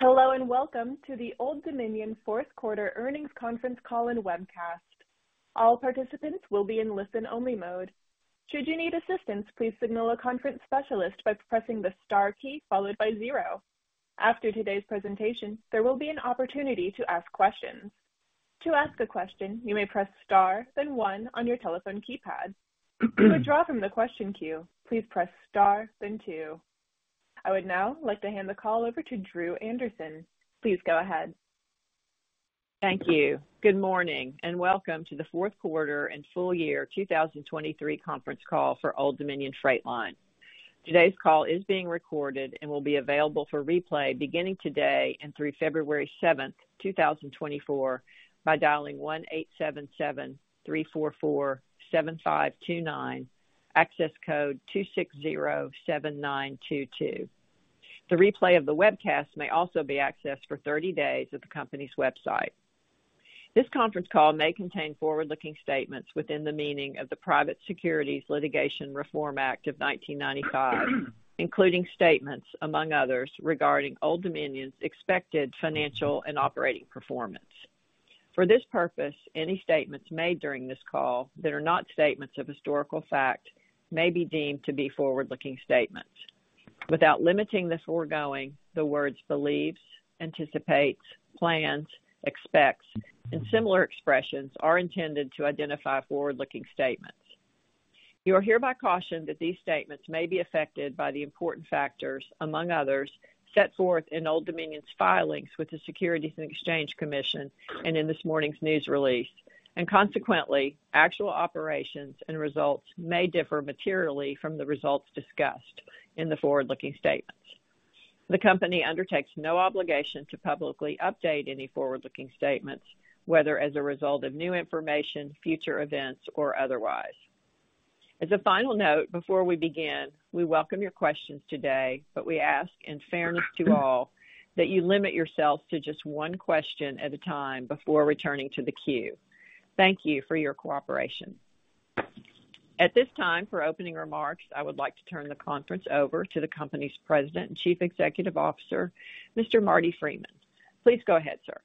Hello, and welcome to the Old Dominion fourth quarter earnings conference call and webcast. All participants will be in listen-only mode. Should you need assistance, please signal a conference specialist by pressing the star key followed by zero. After today's presentation, there will be an opportunity to ask questions. To ask a question, you may press Star, then one on your telephone keypad. To withdraw from the question queue, please press star, then two. I would now like to hand the call over to Drew Andersen. Please go ahead. Thank you. Good morning, and welcome to the fourth quarter and full year 2023 conference call for Old Dominion Freight Line. Today's call is being recorded and will be available for replay beginning today and through February 7, 2024, by dialing 1-877-344-7529, access code 2607922. The replay of the webcast may also be accessed for 30 days at the company's website. This conference call may contain forward-looking statements within the meaning of the Private Securities Litigation Reform Act of 1995, including statements, among others, regarding Old Dominion's expected financial and operating performance. For this purpose, any statements made during this call that are not statements of historical fact may be deemed to be forward-looking statements. Without limiting the foregoing, the words believes, anticipates, plans, expects, and similar expressions are intended to identify forward-looking statements. You are hereby cautioned that these statements may be affected by the important factors, among others, set forth in Old Dominion's filings with the Securities and Exchange Commission and in this morning's news release. Consequently, actual operations and results may differ materially from the results discussed in the forward-looking statements. The Company undertakes no obligation to publicly update any forward-looking statements, whether as a result of new information, future events, or otherwise. As a final note, before we begin, we welcome your questions today, but we ask in fairness to all, that you limit yourselves to just one question at a time before returning to the queue. Thank you for your cooperation. At this time, for opening remarks, I would like to turn the conference over to the Company's President and Chief Executive Officer, Mr. Marty Freeman. Please go ahead, sir.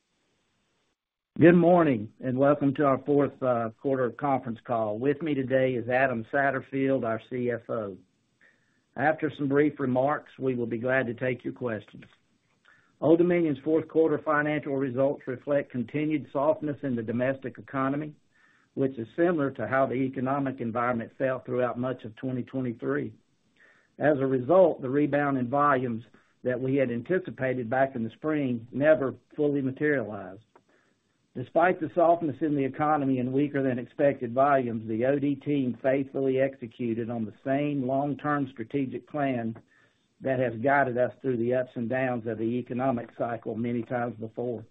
Good morning, and welcome to our fourth quarter conference call. With me today is Adam Satterfield, our CFO. After some brief remarks, we will be glad to take your questions. Old Dominion's fourth quarter financial results reflect continued softness in the domestic economy, which is similar to how the economic environment fell throughout much of 2023. As a result, the rebound in volumes that we had anticipated back in the spring never fully materialized. Despite the softness in the economy and weaker than expected volumes, the OD team faithfully executed on the same long-term strategic plan that has guided us through the ups and downs of the economic cycle many times before.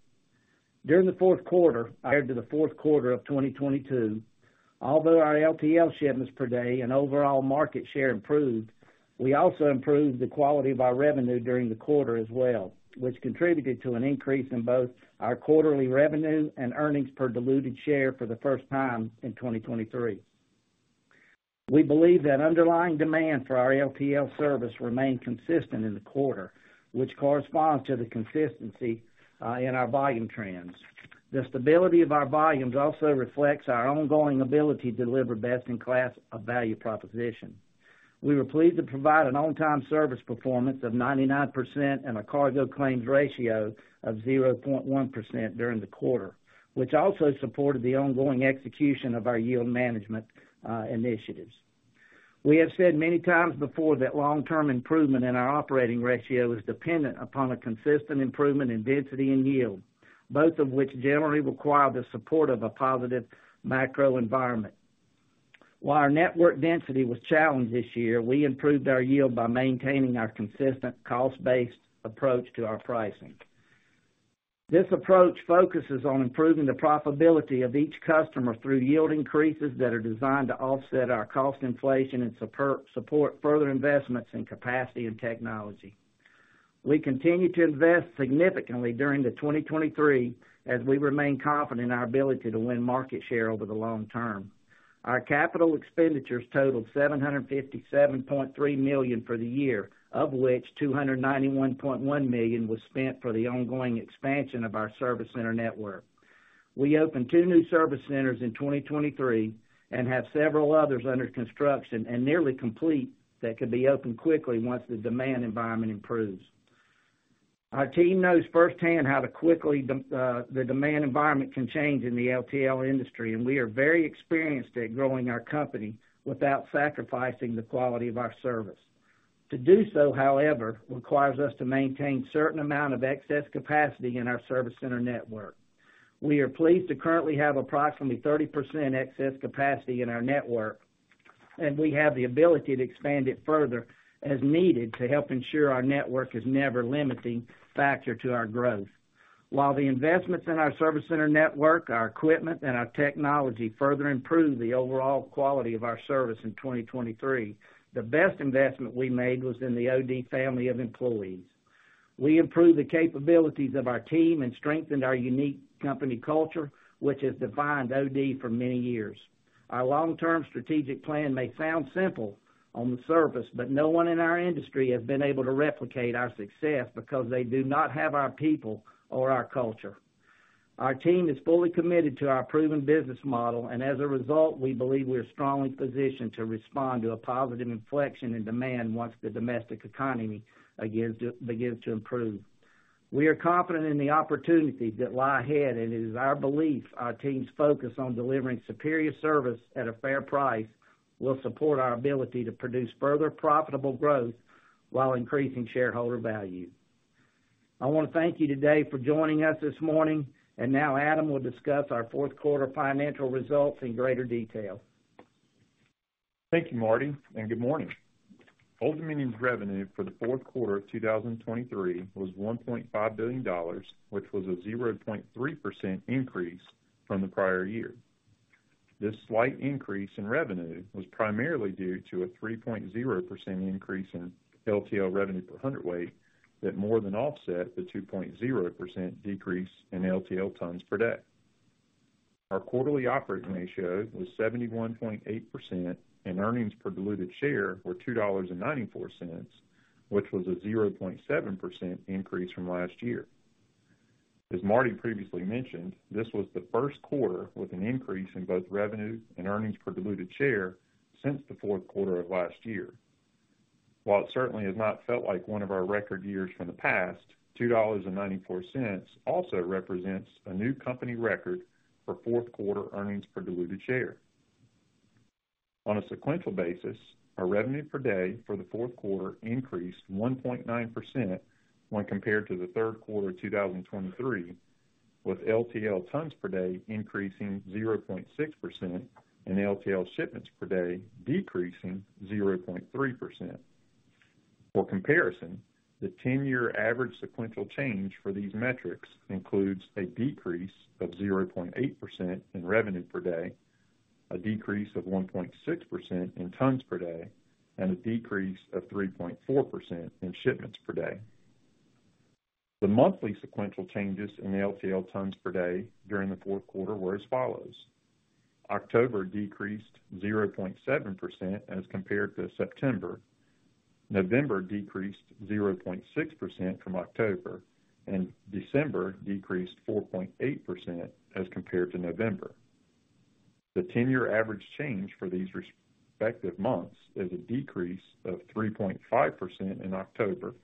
During the fourth quarter, compared to the fourth quarter of 2022, although our LTL shipments per day and overall market share improved, we also improved the quality of our revenue during the quarter as well, which contributed to an increase in both our quarterly revenue and earnings per diluted share for the first time in 2023. We believe that underlying demand for our LTL service remained consistent in the quarter, which corresponds to the consistency in our volume trends. The stability of our volumes also reflects our ongoing ability to deliver best-in-class of value proposition. We were pleased to provide an on-time service performance of 99% and a cargo claims ratio of 0.1% during the quarter, which also supported the ongoing execution of our yield management initiatives. We have said many times before that long-term improvement in our operating ratio is dependent upon a consistent improvement in density and yield, both of which generally require the support of a positive macro environment. While our network density was challenged this year, we improved our yield by maintaining our consistent cost-based approach to our pricing. This approach focuses on improving the profitability of each customer through yield increases that are designed to offset our cost inflation and support further investments in capacity and technology. We continued to invest significantly during 2023, as we remain confident in our ability to win market share over the long term. Our capital expenditures totaled $757.3 million for the year, of which $291.1 million was spent for the ongoing expansion of our service center network. We opened two new service centers in 2023 and have several others under construction and nearly complete that could be opened quickly once the demand environment improves. Our team knows firsthand how quickly the demand environment can change in the LTL industry, and we are very experienced at growing our company without sacrificing the quality of our service. To do so, however, requires us to maintain certain amount of excess capacity in our service center network. We are pleased to currently have approximately 30% excess capacity in our network, and we have the ability to expand it further as needed to help ensure our network is never limiting factor to our growth. While the investments in our service center network, our equipment, and our technology further improved the overall quality of our service in 2023, the best investment we made was in the OD family of employees. We improved the capabilities of our team and strengthened our unique company culture, which has defined OD for many years. Our long-term strategic plan may sound simple on the surface, but no one in our industry has been able to replicate our success because they do not have our people or our culture. Our team is fully committed to our proven business model, and as a result, we believe we are strongly positioned to respond to a positive inflection in demand once the domestic economy begins to, begins to improve. We are confident in the opportunities that lie ahead, and it is our belief our team's focus on delivering superior service at a fair price will support our ability to produce further profitable growth while increasing shareholder value. I want to thank you today for joining us this morning, and now Adam will discuss our fourth quarter financial results in greater detail. Thank you, Marty, and good morning. Old Dominion's revenue for the fourth quarter of 2023 was $1.5 billion, which was a 0.3% increase from the prior year. This slight increase in revenue was primarily due to a 3.0% increase in LTL revenue per hundredweight, that more than offset the 2.0% decrease in LTL tons per day. Our quarterly operating ratio was 71.8%, and earnings per diluted share were $2.94, which was a 0.7% increase from last year. As Marty previously mentioned, this was the first quarter with an increase in both revenue and earnings per diluted share since the fourth quarter of last year. While it certainly has not felt like one of our record years from the past, $2.94 also represents a new company record for fourth quarter earnings per diluted share. On a sequential basis, our revenue per day for the fourth quarter increased 1.9% when compared to the third quarter of 2023, with LTL tons per day increasing 0.6% and LTL shipments per day decreasing 0.3%. For comparison, the 10-year average sequential change for these metrics includes a decrease of 0.8% in revenue per day, a decrease of 1.6% in tons per day, and a decrease of 3.4% in shipments per day. The monthly sequential changes in LTL tons per day during the fourth quarter were as follows: October decreased 0.7% as compared to September, November decreased 0.6% from October, and December decreased 4.8% as compared to November. The 10-year average change for these respective months is a decrease of 3.5% in October,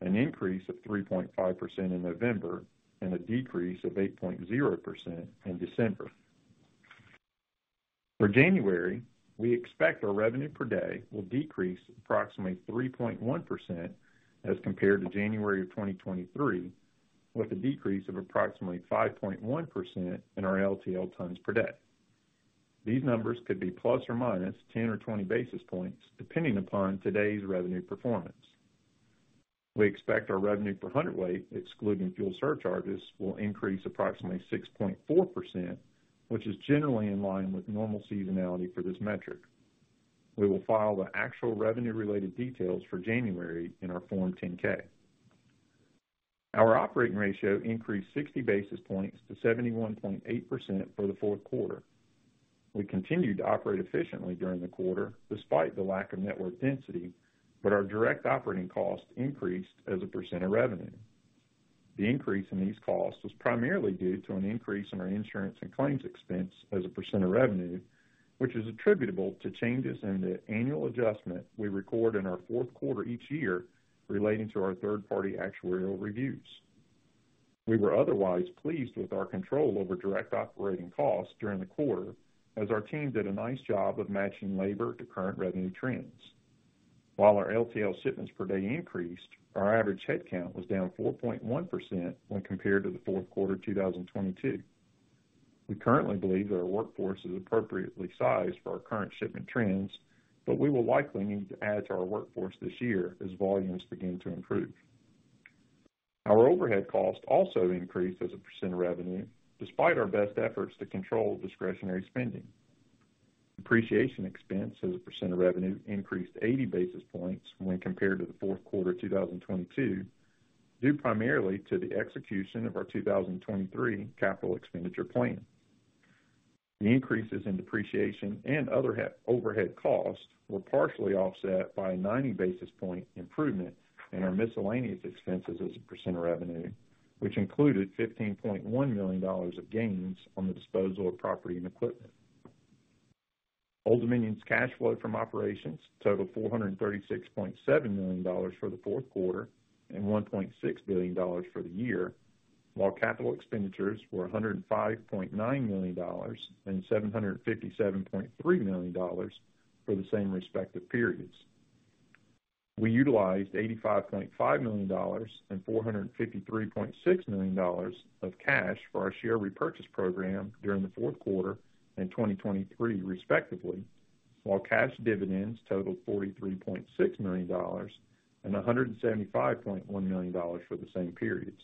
an increase of 3.5% in November, and a decrease of 8.0% in December. For January, we expect our revenue per day will decrease approximately 3.1% as compared to January of 2023, with a decrease of approximately 5.1% in our LTL tons per day. These numbers could be ±10 or 20 basis points, depending upon today's revenue performance. We expect our revenue per hundredweight, excluding fuel surcharges, will increase approximately 6.4%, which is generally in line with normal seasonality for this metric. We will file the actual revenue-related details for January in our Form 10-K. Our operating ratio increased 60 basis points to 71.8% for the fourth quarter. We continued to operate efficiently during the quarter, despite the lack of network density, but our direct operating costs increased as a percent of revenue. The increase in these costs was primarily due to an increase in our insurance and claims expense as a percent of revenue, which is attributable to changes in the annual adjustment we record in our fourth quarter each year relating to our third-party actuarial reviews. We were otherwise pleased with our control over direct operating costs during the quarter, as our team did a nice job of matching labor to current revenue trends. While our LTL shipments per day increased, our average headcount was down 4.1% when compared to the fourth quarter of 2022. We currently believe that our workforce is appropriately sized for our current shipment trends, but we will likely need to add to our workforce this year as volumes begin to improve. Our overhead costs also increased as a percent of revenue, despite our best efforts to control discretionary spending. Depreciation expense as a percent of revenue increased 80 basis points when compared to the fourth quarter of 2022, due primarily to the execution of our 2023 capital expenditure plan. The increases in depreciation and other overhead costs were partially offset by a 90 basis points improvement in our miscellaneous expenses as a percent of revenue, which included $15.1 million of gains on the disposal of property and equipment. Old Dominion's cash flow from operations totaled $436.7 million for the fourth quarter and $1.6 billion for the year, while capital expenditures were $105.9 million and $757.3 million for the same respective periods. We utilized $85.5 million and $453.6 million of cash for our share repurchase program during the fourth quarter in 2023, respectively, while cash dividends totaled $43.6 million and $175.1 million for the same periods.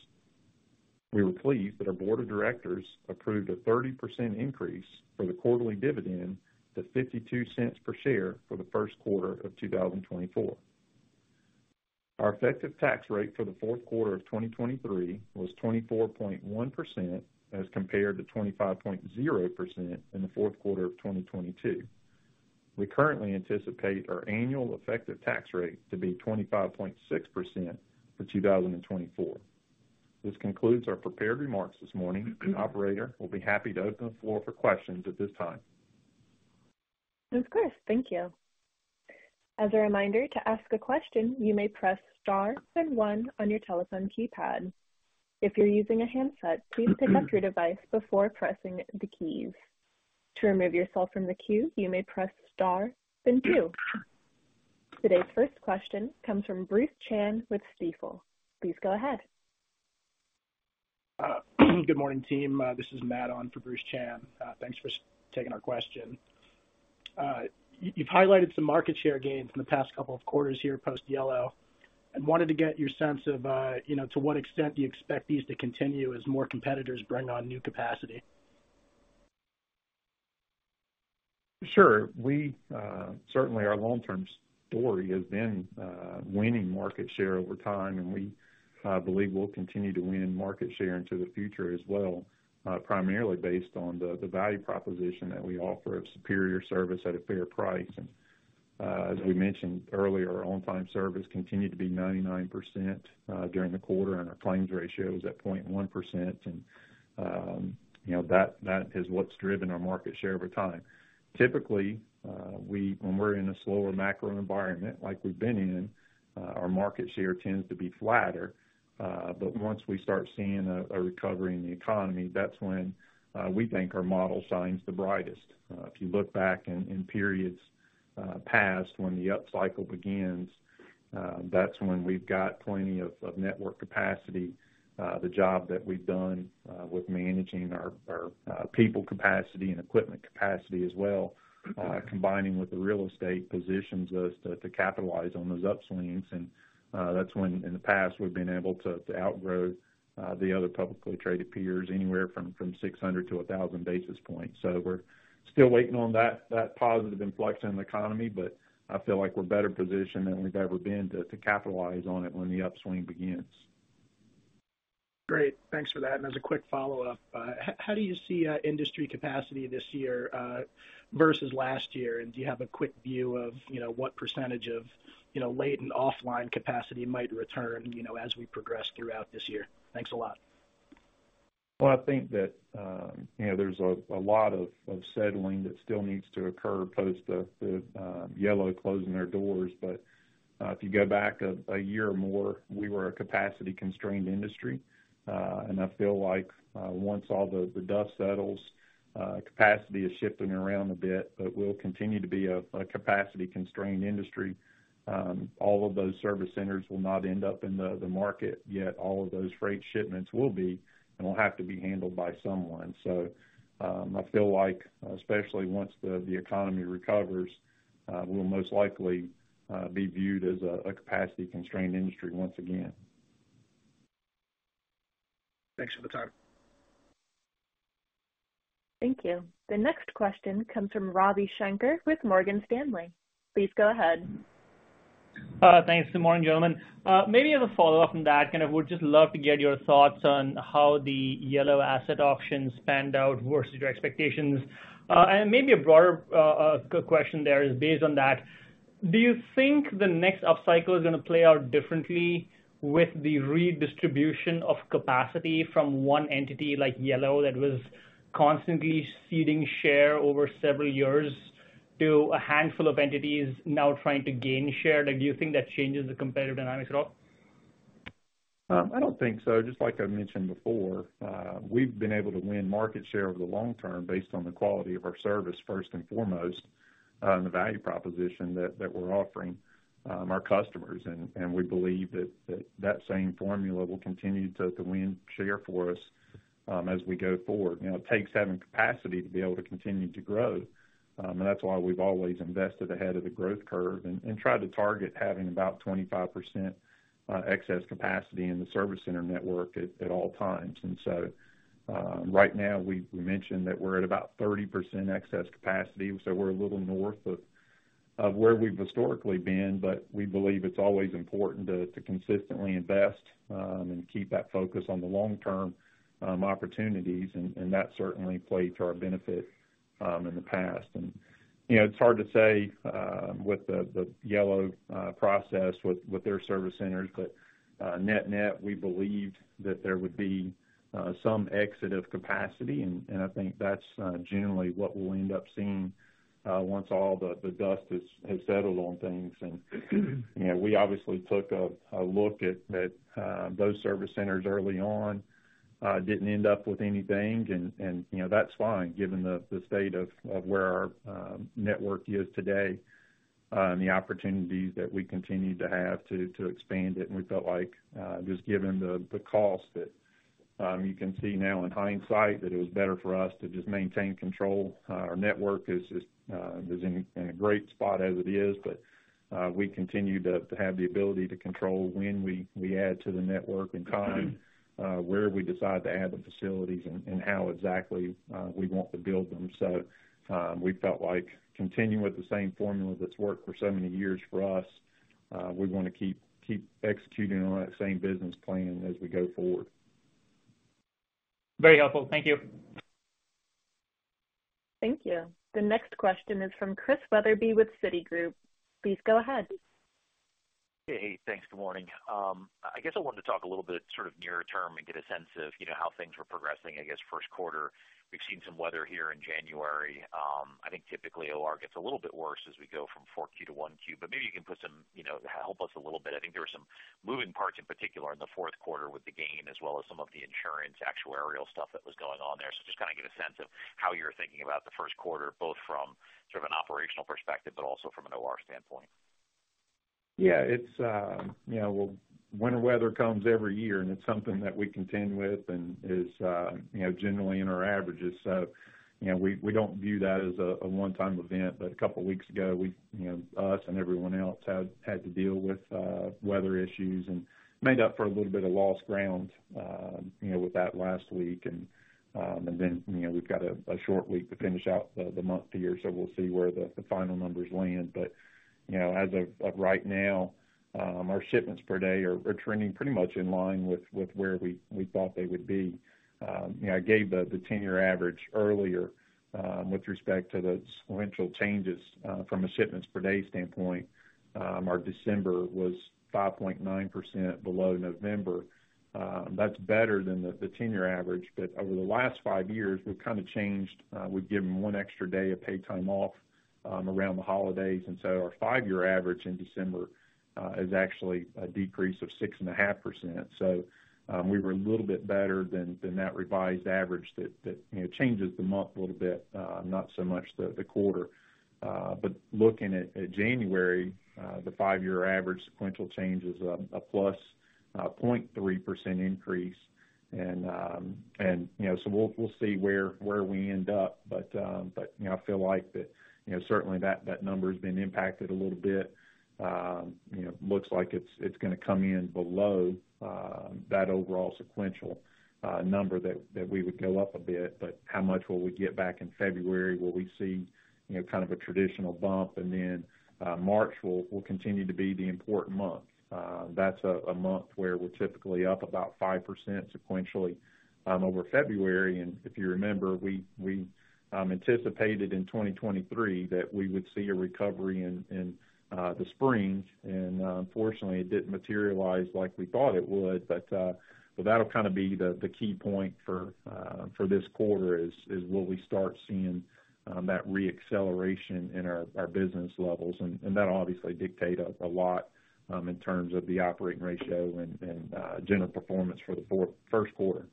We were pleased that our board of directors approved a 30% increase for the quarterly dividend to $0.52 per share for the first quarter of 2024. Our effective tax rate for the fourth quarter of 2023 was 24.1%, as compared to 25.0% in the fourth quarter of 2022. We currently anticipate our annual effective tax rate to be 25.6% for 2024. This concludes our prepared remarks this morning. Operator, we'll be happy to open the floor for questions at this time. Of course. Thank you. As a reminder, to ask a question, you may press star then one on your telephone keypad. If you're using a handset, please pick up your device before pressing the keys. To remove yourself from the queue, you may press star, then two. Today's first question comes from Bruce Chan with Stifel. Please go ahead. Good morning, team. This is Matt on for Bruce Chan. Thanks for taking our question. You've highlighted some market share gains in the past couple of quarters here post Yellow, and wanted to get your sense of, you know, to what extent do you expect these to continue as more competitors bring on new capacity? Sure. We certainly, our long-term story has been winning market share over time, and we believe we'll continue to win market share into the future as well, primarily based on the value proposition that we offer of superior service at a fair price. As we mentioned earlier, our on-time service continued to be 99% during the quarter, and our claims ratio was at 0.1%. You know, that is what's driven our market share over time. Typically, when we're in a slower macro environment like we've been in, our market share tends to be flatter. But once we start seeing a recovery in the economy, that's when we think our model shines the brightest. If you look back in periods past, when the upcycle begins, that's when we've got plenty of network capacity. The job that we've done with managing our people capacity and equipment capacity as well, combining with the real estate, positions us to capitalize on those upswings. That's when in the past, we've been able to outgrow the other publicly traded peers, anywhere from 600 to 1,000 basis points. So we're still waiting on that positive influx in the economy, but I feel like we're better positioned than we've ever been to capitalize on it when the upswing begins. Great. Thanks for that. And as a quick follow-up, how do you see industry capacity this year versus last year? And do you have a quick view of, you know, what percentage of, you know, latent offline capacity might return, you know, as we progress throughout this year? Thanks a lot. Well, I think that, you know, there's a lot of settling that still needs to occur post the Yellow closing their doors. But, if you go back a year or more, we were a capacity-constrained industry. And I feel like, once all the dust settles, capacity is shifting around a bit, but we'll continue to be a capacity-constrained industry. All of those service centers will not end up in the market, yet all of those freight shipments will be and will have to be handled by someone. So, I feel like, especially once the economy recovers, we'll most likely be viewed as a capacity-constrained industry once again. Thanks for the time. Thank you. The next question comes from Ravi Shanker with Morgan Stanley. Please go ahead. Thanks. Good morning, gentlemen. Maybe as a follow-up on that, and I would just love to get your thoughts on how the Yellow asset auctions panned out versus your expectations. And maybe a broader question there is based on that: Do you think the next upcycle is gonna play out differently with the redistribution of capacity from one entity, like Yellow, that was constantly ceding share over several years, to a handful of entities now trying to gain share? Like, do you think that changes the competitive dynamic at all? I don't think so. Just like I mentioned before, we've been able to win market share over the long term based on the quality of our service, first and foremost, and the value proposition that we're offering our customers. And we believe that same formula will continue to win share for us as we go forward. You know, it takes having capacity to be able to continue to grow, and that's why we've always invested ahead of the growth curve and tried to target having about 25% excess capacity in the service center network at all times. And so, right now, we've mentioned that we're at about 30% excess capacity, so we're a little north of where we've historically been. But we believe it's always important to consistently invest and keep that focus on the long-term opportunities. And that certainly played to our benefit in the past. You know, it's hard to say with the Yellow process with their service centers, but net-net, we believed that there would be some exit of capacity, and I think that's generally what we'll end up seeing once all the dust has settled on things. You know, we obviously took a look at those service centers early on. Didn't end up with anything, and you know, that's fine given the state of where our network is today and the opportunities that we continue to have to expand it. We felt like, just given the cost that you can see now in hindsight, that it was better for us to just maintain control. Our network is in a great spot as it is, but we continue to have the ability to control when we add to the network and time where we decide to add the facilities and how exactly we want to build them. So, we felt like continuing with the same formula that's worked for so many years for us, we want to keep executing on that same business plan as we go forward. Very helpful. Thank you. Thank you. The next question is from Chris Wetherbee with Citigroup. Please go ahead. Hey, thanks. Good morning. I guess I wanted to talk a little bit sort of near term and get a sense of, you know, how things were progressing, I guess, first quarter. We've seen some weather here in January. I think typically OR gets a little bit worse as we go from 4Q to 1Q, but maybe you can put some, you know, help us a little bit. I think there were some moving parts, in particular, in the fourth quarter with the gain, as well as some of the insurance actuarial stuff that was going on there. So just kinda get a sense of how you're thinking about the first quarter, both from sort of an operational perspective, but also from an OR standpoint. Yeah, it's, you know, well, winter weather comes every year, and it's something that we contend with and is, you know, generally in our averages. So, you know, we don't view that as a one-time event. But a couple of weeks ago, we, you know, us and everyone else had to deal with weather issues and made up for a little bit of lost ground, you know, with that last week. And then, you know, we've got a short week to finish out the month here, so we'll see where the final numbers land. But, you know, as of right now, our shipments per day are trending pretty much in line with where we thought they would be. You know, I gave the 10-year average earlier, with respect to the sequential changes, from a shipments per day standpoint. Our December was 5.9% below November. That's better than the 10-year average, but over the last five years, we've kind of changed, we've given one extra day of paid time off around the holidays, and so our five-year average in December is actually a decrease of 6.5%. So, we were a little bit better than that revised average that, you know, changes the month a little bit, not so much the quarter. But looking at January, the five-year average sequential change is a +0.3% increase. And, you know, so we'll see where we end up. But, but, you know, I feel like that, you know, certainly that, that number has been impacted a little bit. You know, looks like it's, it's gonna come in below that overall sequential number that, that we would go up a bit, but how much will we get back in February? Will we see, you know, kind of a traditional bump? And then, March will, will continue to be the important month. That's a, a month where we're typically up about 5% sequentially over February. And if you remember, we, we, anticipated in 2023 that we would see a recovery in the spring, and unfortunately, it didn't materialize like we thought it would. So that'll kind of be the key point for this quarter: will we start seeing that reacceleration in our business levels? And that'll obviously dictate a lot in terms of the operating ratio and general performance for the first quarter.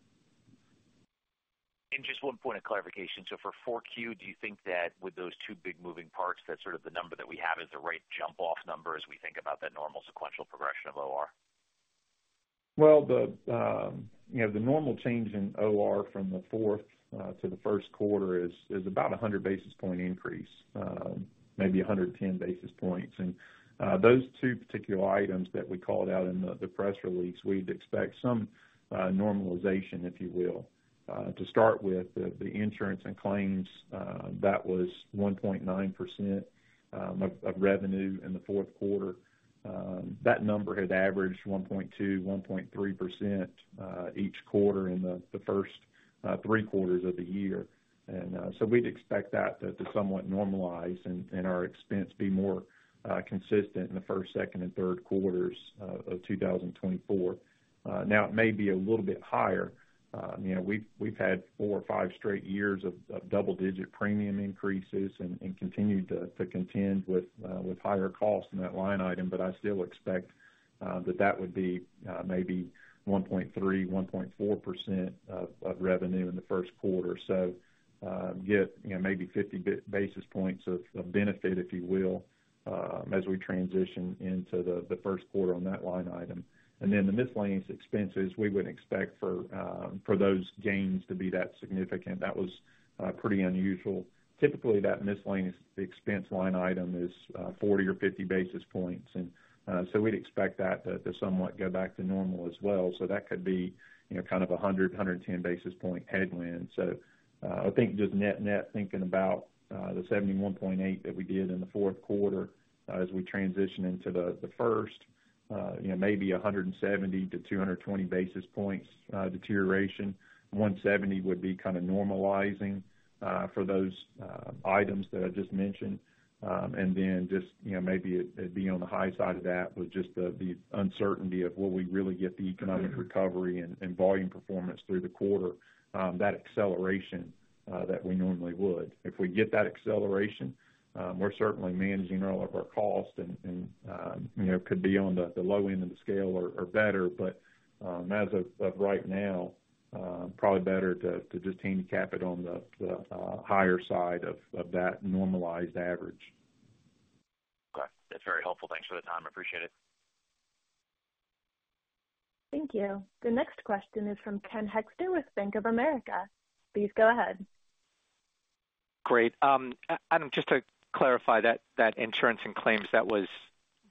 Just one point of clarification. For Q4, do you think that with those two big moving parts, that's sort of the number that we have is the right jump-off number as we think about that normal sequential progression of OR? Well, the, you know, the normal change in OR from the fourth to the first quarter is about a 100 basis point increase, maybe 110 basis points. And, those two particular items that we called out in the press release, we'd expect some normalization, if you will. To start with, the insurance and claims that was 1.9% of revenue in the fourth quarter. That number had averaged 1.2%-1.3% each quarter in the first three quarters of the year. And, so we'd expect that to somewhat normalize and our expense be more consistent in the first, second, and third quarters of 2024. Now, it may be a little bit higher. You know, we've had four or five straight years of double-digit premium increases and continued to contend with higher costs in that line item, but I still expect that that would be maybe 1.3%-1.4% of revenue in the first quarter. So, you know, maybe 50 basis points of benefit, if you will, as we transition into the first quarter on that line item. And then the miscellaneous expenses, we wouldn't expect for those gains to be that significant. That was pretty unusual. Typically, that miscellaneous expense line item is 40 or 50 basis points, and so we'd expect that to somewhat go back to normal as well. So that could be, you know, kind of a 100-110 basis point headwind. So, I think just net-net, thinking about the 71.8% that we did in the fourth quarter as we transition into the first, you know, maybe 170-220 basis points deterioration. 170 would be kind of normalizing for those items that I just mentioned. And then just, you know, maybe it being on the high side of that with just the uncertainty of will we really get the economic recovery and volume performance through the quarter, that acceleration that we normally would. If we get that acceleration, we're certainly managing all of our costs and, you know, could be on the low end of the scale or better. But, as of right now, probably better to just handicap it on the higher side of that normalized average. Okay. That's very helpful. Thanks for the time. I appreciate it. Thank you. The next question is from Ken Hoexter with Bank of America. Please go ahead. Great. And just to clarify that, that insurance and claims, that was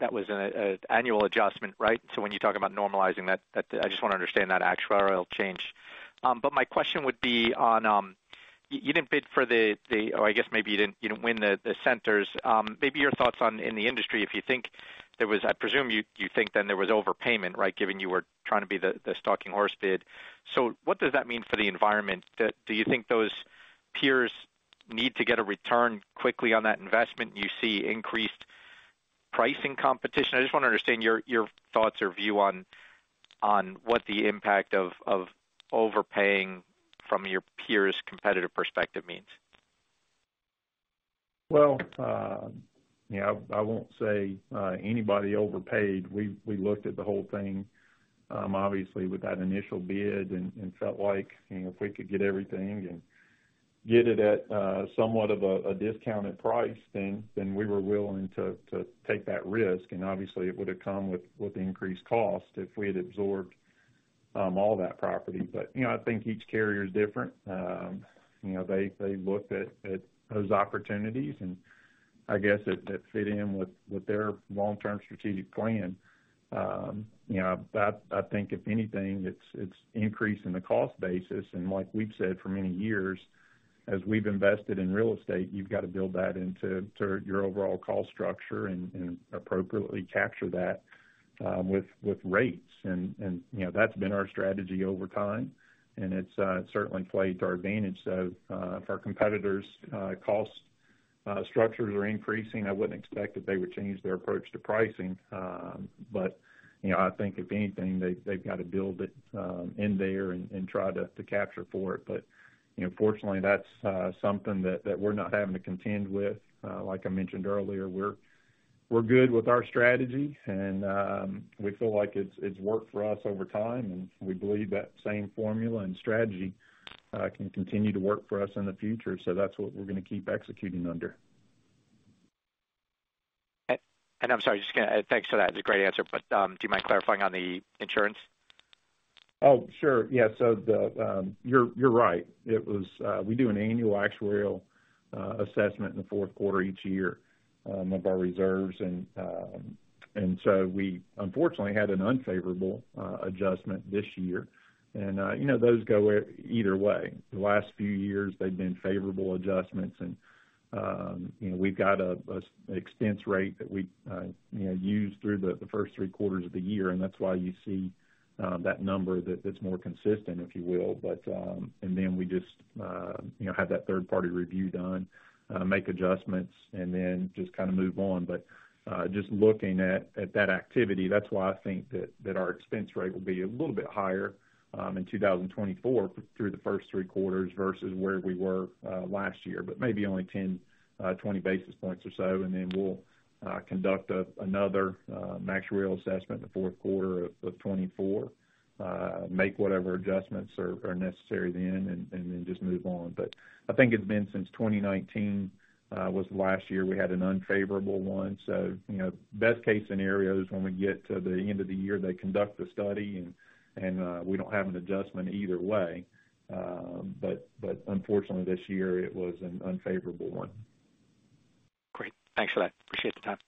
an annual adjustment, right? So when you talk about normalizing that, I just wanna understand that actuarial change. But my question would be on. You didn't bid for the or I guess maybe you didn't win the centers. Maybe your thoughts on in the industry, if you think there was. I presume you think then there was overpayment, right? Given you were trying to be the stalking horse bid. So what does that mean for the environment? Do you think those peers need to get a return quickly on that investment, you see increased pricing competition? I just wanna understand your thoughts or view on what the impact of overpaying from your peers' competitive perspective means. Well, yeah, I won't say anybody overpaid. We looked at the whole thing, obviously, with that initial bid and felt like, you know, if we could get everything and get it at somewhat of a discounted price, then we were willing to take that risk, and obviously, it would have come with increased cost if we had absorbed all that property. But, you know, I think each carrier is different. You know, they looked at those opportunities, and I guess if that fit in with their long-term strategic plan. You know, I think if anything, it's increasing the cost basis, and like we've said for many years, as we've invested in real estate, you've got to build that into your overall cost structure and appropriately capture that with rates. And you know, that's been our strategy over time, and it's certainly played to our advantage. So, if our competitors' cost structures are increasing, I wouldn't expect that they would change their approach to pricing. But you know, I think if anything, they've got to build it in there and try to capture for it. But you know, fortunately, that's something that we're not having to contend with. Like I mentioned earlier, we're good with our strategy, and we feel like it's worked for us over time, and we believe that same formula and strategy can continue to work for us in the future. So that's what we're gonna keep executing under. I'm sorry, just gonna. Thanks for that. It's a great answer, but do you mind clarifying on the insurance? Oh, sure. Yeah, so you're right. It was. We do an annual actuarial assessment in the fourth quarter each year of our reserves. And so we unfortunately had an unfavorable adjustment this year. And you know, those go either way. The last few years, they've been favorable adjustments and you know, we've got an expense rate that we you know use through the first three quarters of the year, and that's why you see that number that's more consistent, if you will. But then we just you know have that third-party review done, make adjustments, and then just kinda move on. But just looking at that activity, that's why I think that our expense rate will be a little bit higher in 2024 through the first three quarters versus where we were last year, but maybe only 10-20 basis points or so, and then we'll conduct another actuarial assessment in the fourth quarter of 2024. Make whatever adjustments are necessary then, and then just move on. But I think it's been since 2019 was the last year we had an unfavorable one. So, you know, best case scenario is when we get to the end of the year, they conduct the study and we don't have an adjustment either way. But unfortunately, this year it was an unfavorable one. Great. Thanks for that. Appreciate the time.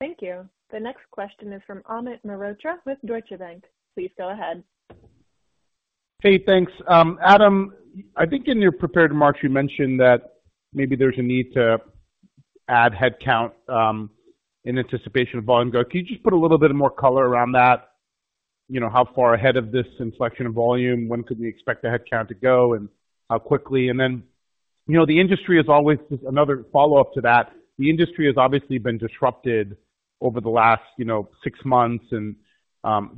Thank you. The next question is from Amit Mehrotra with Deutsche Bank. Please go ahead. Hey, thanks. Adam, I think in your prepared remarks, you mentioned that maybe there's a need to add headcount in anticipation of volume growth. Can you just put a little bit more color around that? You know, how far ahead of this inflection of volume, when could we expect the headcount to go, and how quickly? And then, you know, the industry is always, just another follow-up to that, the industry has obviously been disrupted over the last, you know, six months, and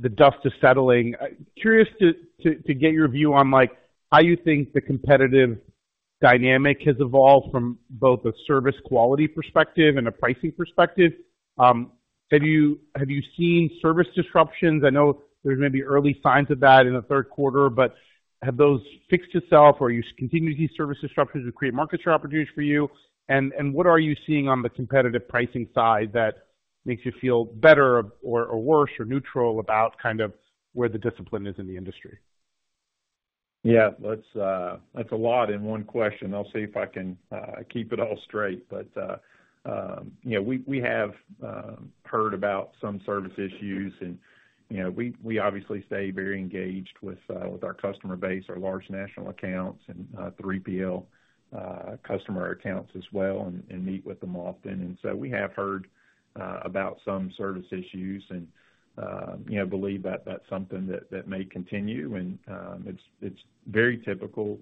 the dust is settling. Curious to get your view on, like, how you think the competitive dynamic has evolved from both a service quality perspective and a pricing perspective. Have you seen service disruptions? I know there's maybe early signs of that in the third quarter, but have those fixed itself, or are you continuing to see service disruptions to create market share opportunities for you? And, and what are you seeing on the competitive pricing side that makes you feel better or, or worse, or neutral about kind of where the discipline is in the industry? Yeah, that's, that's a lot in one question. I'll see if I can keep it all straight. But, you know, we have heard about some service issues and, you know, we obviously stay very engaged with our customer base, our large national accounts and, 3PL customer accounts as well, and meet with them often. And so we have heard about some service issues and, you know, believe that that's something that may continue, and, it's very typical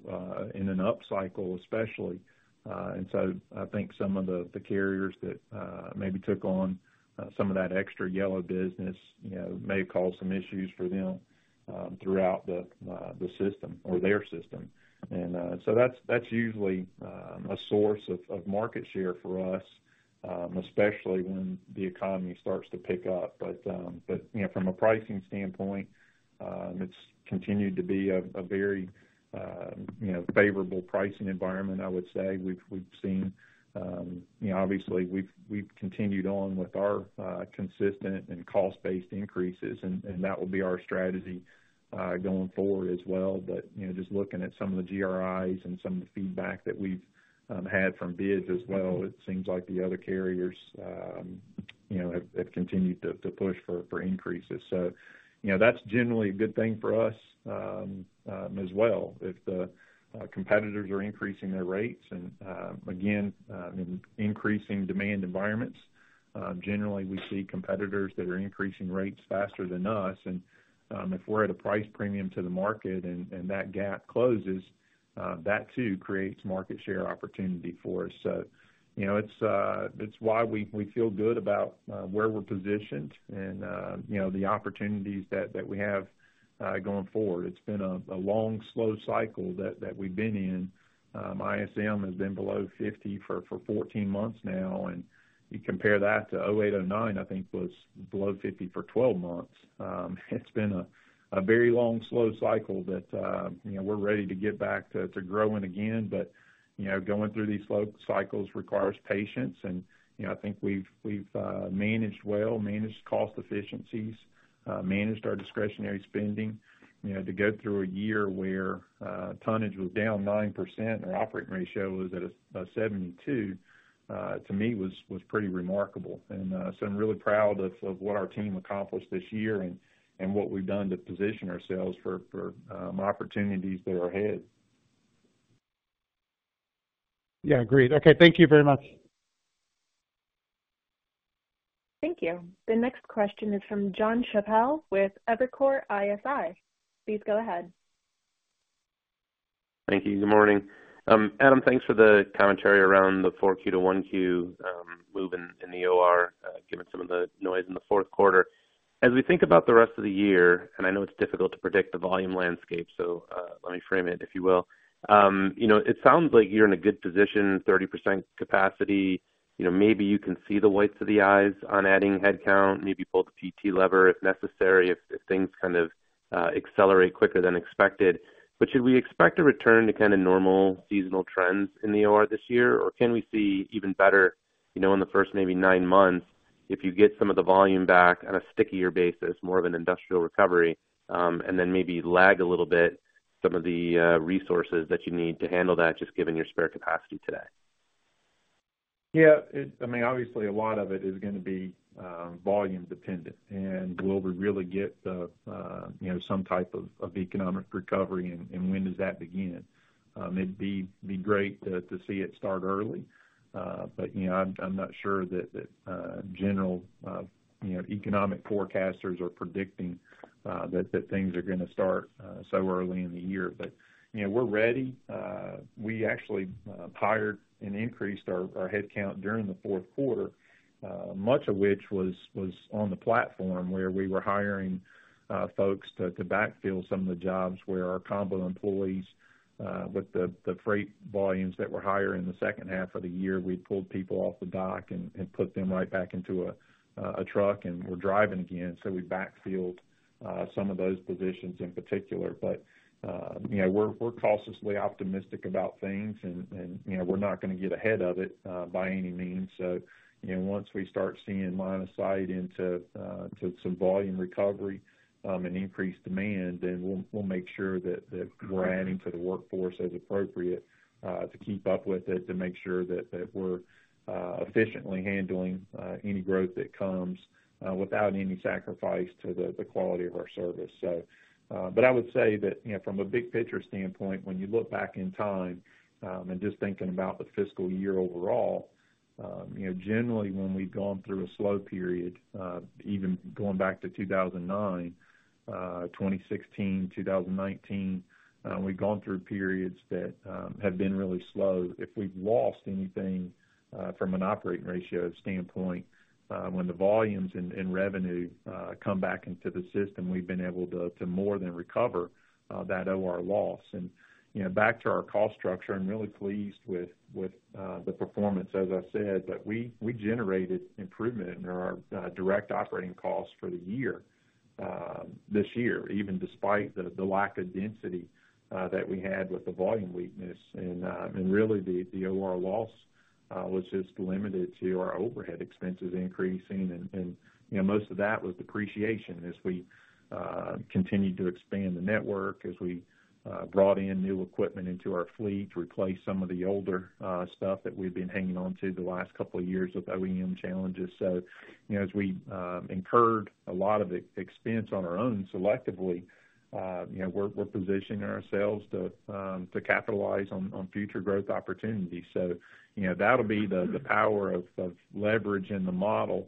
in an upcycle especially. And so I think some of the carriers that maybe took on some of that extra Yellow business, you know, may cause some issues for them throughout the system or their system. So that's usually a source of market share for us, especially when the economy starts to pick up. But you know, from a pricing standpoint, it's continued to be a very favorable pricing environment. I would say we've seen you know, obviously, we've continued on with our consistent and cost-based increases, and that will be our strategy going forward as well. But you know, just looking at some of the GRIs and some of the feedback that we've had from bids as well, it seems like the other carriers you know, have continued to push for increases. So, you know, that's generally a good thing for us, as well, if the competitors are increasing their rates and, again, in increasing demand environments. Generally, we see competitors that are increasing rates faster than us, and, if we're at a price premium to the market and that gap closes, that too creates market share opportunity for us. So, you know, it's why we feel good about where we're positioned and, you know, the opportunities that we have going forward. It's been a long, slow cycle that we've been in. ISM has been below 50 for 14 months now, and you compare that to 2008, 2009, I think, was below 50 for 12 months. It's been a very long, slow cycle that, you know, we're ready to get back to growing again. But, you know, going through these slow cycles requires patience, and, you know, I think we've managed well, managed cost efficiencies, managed our discretionary spending. You know, to go through a year where tonnage was down 9%, our operating ratio was at a 72%, to me, was pretty remarkable. And, so I'm really proud of what our team accomplished this year and what we've done to position ourselves for opportunities that are ahead. Yeah, agreed. Okay, thank you very much. Thank you. The next question is from Jon Chappell with Evercore ISI. Please go ahead. Thank you. Good morning. Adam, thanks for the commentary around the 4Q to 1Q move in the OR, given some of the noise in the fourth quarter. As we think about the rest of the year, and I know it's difficult to predict the volume landscape, so, let me frame it, if you will. You know, it sounds like you're in a good position, 30% capacity, you know, maybe you can see the whites of the eyes on adding headcount, maybe pull the PT lever if necessary, if things kind of accelerate quicker than expected. Should we expect a return to kind of normal seasonal trends in the OR this year, or can we see even better, you know, in the first maybe nine months, if you get some of the volume back on a stickier basis, more of an industrial recovery, and then maybe lag a little bit some of the resources that you need to handle that, just given your spare capacity today? Yeah, I mean, obviously, a lot of it is gonna be volume dependent. And will we really get some type of economic recovery, and when does that begin? It'd be great to see it start early. But, you know, I'm not sure that the general economic forecasters are predicting that things are gonna start so early in the year. But, you know, we're ready. We actually hired and increased our headcount during the fourth quarter, much of which was on the platform, where we were hiring folks to backfill some of the jobs where our combo employees, with the freight volumes that were higher in the second half of the year, we pulled people off the dock and put them right back into a truck, and were driving again. So we backfilled some of those positions in particular. But you know, we're cautiously optimistic about things and, you know, we're not gonna get ahead of it by any means. So, you know, once we start seeing line of sight into to some volume recovery and increased demand, then we'll, we'll make sure that, that we're adding to the workforce as appropriate to keep up with it, to make sure that, that we're efficiently handling any growth that comes without any sacrifice to the, the quality of our service, so. But I would say that, you know, from a big picture standpoint, when you look back in time and just thinking about the fiscal year overall, you know, generally, when we've gone through a slow period, even going back to 2009, 2016, 2019, we've gone through periods that have been really slow. If we've lost anything from an operating ratio standpoint, when the volumes and revenue come back into the system, we've been able to more than recover that OR loss. And, you know, back to our cost structure, I'm really pleased with the performance, as I said, that we generated improvement in our direct operating costs for the year, this year, even despite the lack of density that we had with the volume weakness. And really, the OR loss was just limited to our overhead expenses increasing. You know, most of that was depreciation as we continued to expand the network, as we brought in new equipment into our fleet to replace some of the older stuff that we've been hanging on to the last couple of years with OEM challenges. So, you know, as we incurred a lot of expense on our own selectively, you know, we're positioning ourselves to capitalize on future growth opportunities. So, you know, that'll be the power of leverage in the model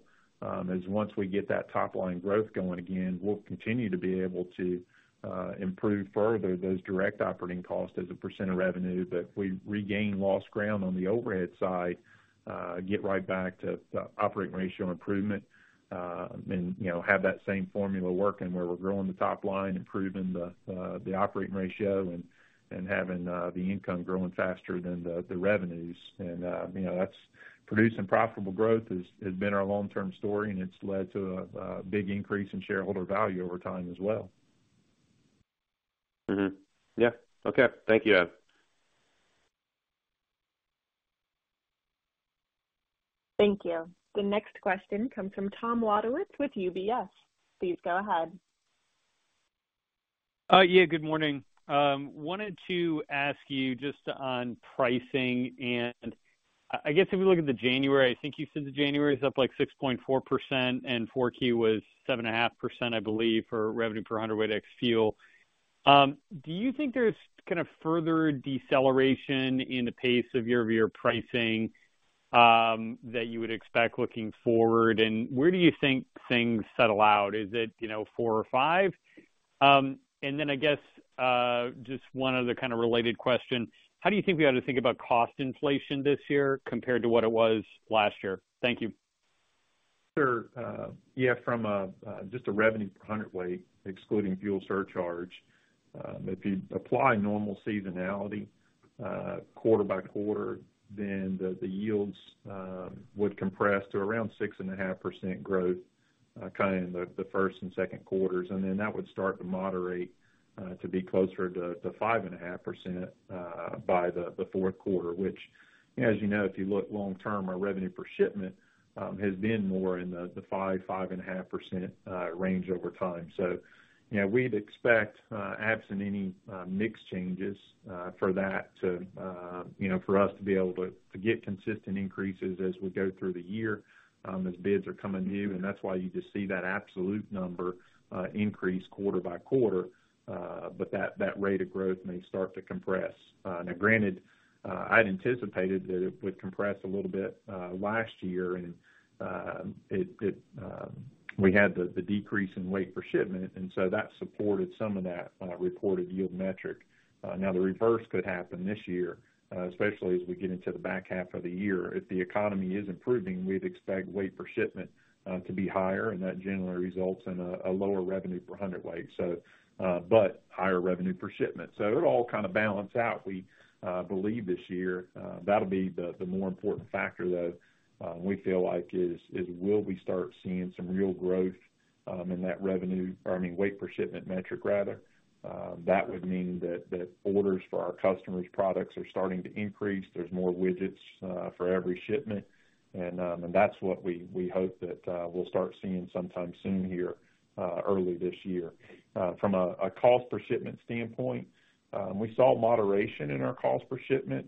is once we get that top line growth going again, we'll continue to be able to improve further those direct operating costs as a percent of revenue. But if we regain lost ground on the overhead side, get right back to operating ratio improvement, and you know, have that same formula working where we're growing the top line, improving the operating ratio and having the income growing faster than the revenues. And you know, that's producing profitable growth has been our long-term story, and it's led to a big increase in shareholder value over time as well. Mm-hmm. Yeah. Okay. Thank you, Adam. Thank you. The next question comes from Tom Wadewitz with UBS. Please go ahead. Yeah, good morning. Wanted to ask you just on pricing, and I, I guess, if you look at the January, I think you said the January is up, like, 6.4%, and 4Q was 7.5%, I believe, for revenue per hundredweight ex-fuel. Do you think there's kind of further deceleration in the pace of year-over-year pricing, that you would expect looking forward? And where do you think things settle out? Is it, you know, four or five? And then I guess, just one other kind of related question: How do you think we ought to think about cost inflation this year compared to what it was last year? Thank you. Sure. Yeah, from just a revenue per hundredweight, excluding fuel surcharge, if you apply normal seasonality, quarter by quarter, then the yields would compress to around 6.5% growth, kind of in the first and second quarters, and then that would start to moderate to be closer to 5.5% by the fourth quarter, which, as you know, if you look long term, our revenue per shipment has been more in the 5%, 5.5% range over time. So, you know, we'd expect, absent any mix changes, for that to, you know, for us to be able to get consistent increases as we go through the year, as bids are coming due, and that's why you just see that absolute number increase quarter by quarter. But that rate of growth may start to compress. Now granted, I'd anticipated that it would compress a little bit last year, and we had the decrease in weight per shipment, and so that supported some of that reported yield metric. Now, the reverse could happen this year, especially as we get into the back half of the year. If the economy is improving, we'd expect weight per shipment to be higher, and that generally results in a lower revenue per hundredweight, so but higher revenue per shipment. So it'll all kind of balance out. We believe this year, that'll be the more important factor, though, we feel like is will we start seeing some real growth in that revenue, or, I mean, weight per shipment metric rather? That would mean that orders for our customers' products are starting to increase. There's more widgets for every shipment, and that's what we hope that we'll start seeing sometime soon here, early this year. From a cost per shipment standpoint, we saw moderation in our cost per shipment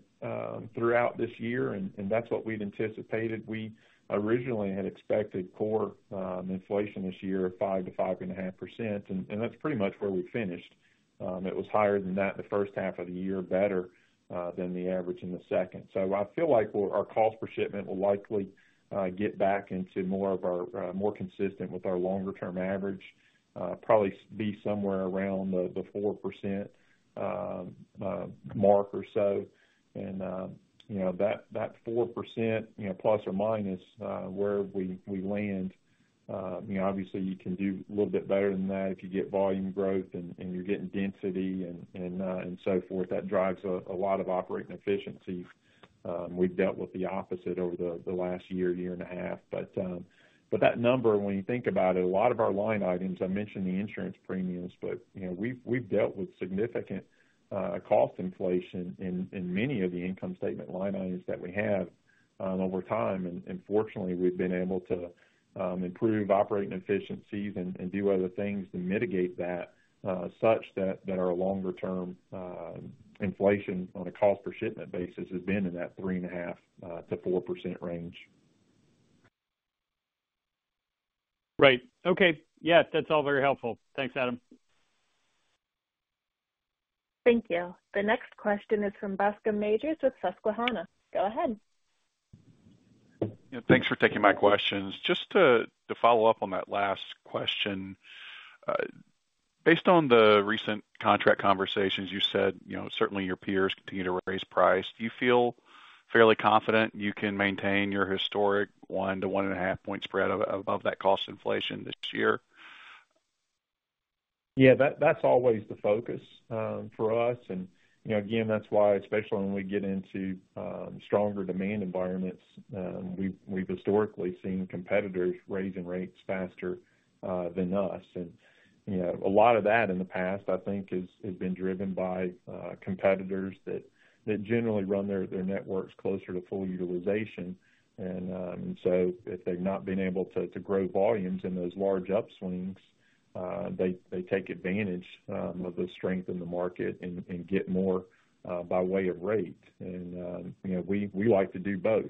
throughout this year, and that's what we'd anticipated. We originally had expected core inflation this year of 5%-5.5%, and that's pretty much where we finished. It was higher than that in the first half of the year, better than the average in the second. So I feel like our cost per shipment will likely get back into more of our more consistent with our longer term average. Probably be somewhere around the 4% mark or so. And you know, that 4%, you know, plus or minus where we land, you know, obviously you can do a little bit better than that if you get volume growth and you're getting density and and so forth. That drives a lot of operating efficiency. We've dealt with the opposite over the last year and a half. But that number, when you think about it, a lot of our line items, I mentioned the insurance premiums, but, you know, we've dealt with significant cost inflation in many of the income statement line items that we have over time, and fortunately, we've been able to improve operating efficiencies and do other things to mitigate that such that our longer term inflation on a cost per shipment basis has been in that 3.5%-4% range. Right. Okay. Yeah, that's all very helpful. Thanks, Adam. Thank you. The next question is from Bascome Majors with Susquehanna. Go ahead. Yeah, thanks for taking my questions. Just to follow up on that last question, based on the recent contract conversations, you said, you know, certainly your peers continue to raise price. Do you feel fairly confident you can maintain your historic 1-1.5 point spread above that cost inflation this year? Yeah, that, that's always the focus for us. And, you know, again, that's why, especially when we get into stronger demand environments, we've, we've historically seen competitors raising rates faster than us. And, you know, a lot of that in the past, I think has, has been driven by competitors that, that generally run their, their networks closer to full utilization. And, so if they've not been able to, to grow volumes in those large upswings, they, they take advantage of the strength in the market and, and get more by way of rate. And, you know, we, we like to do both.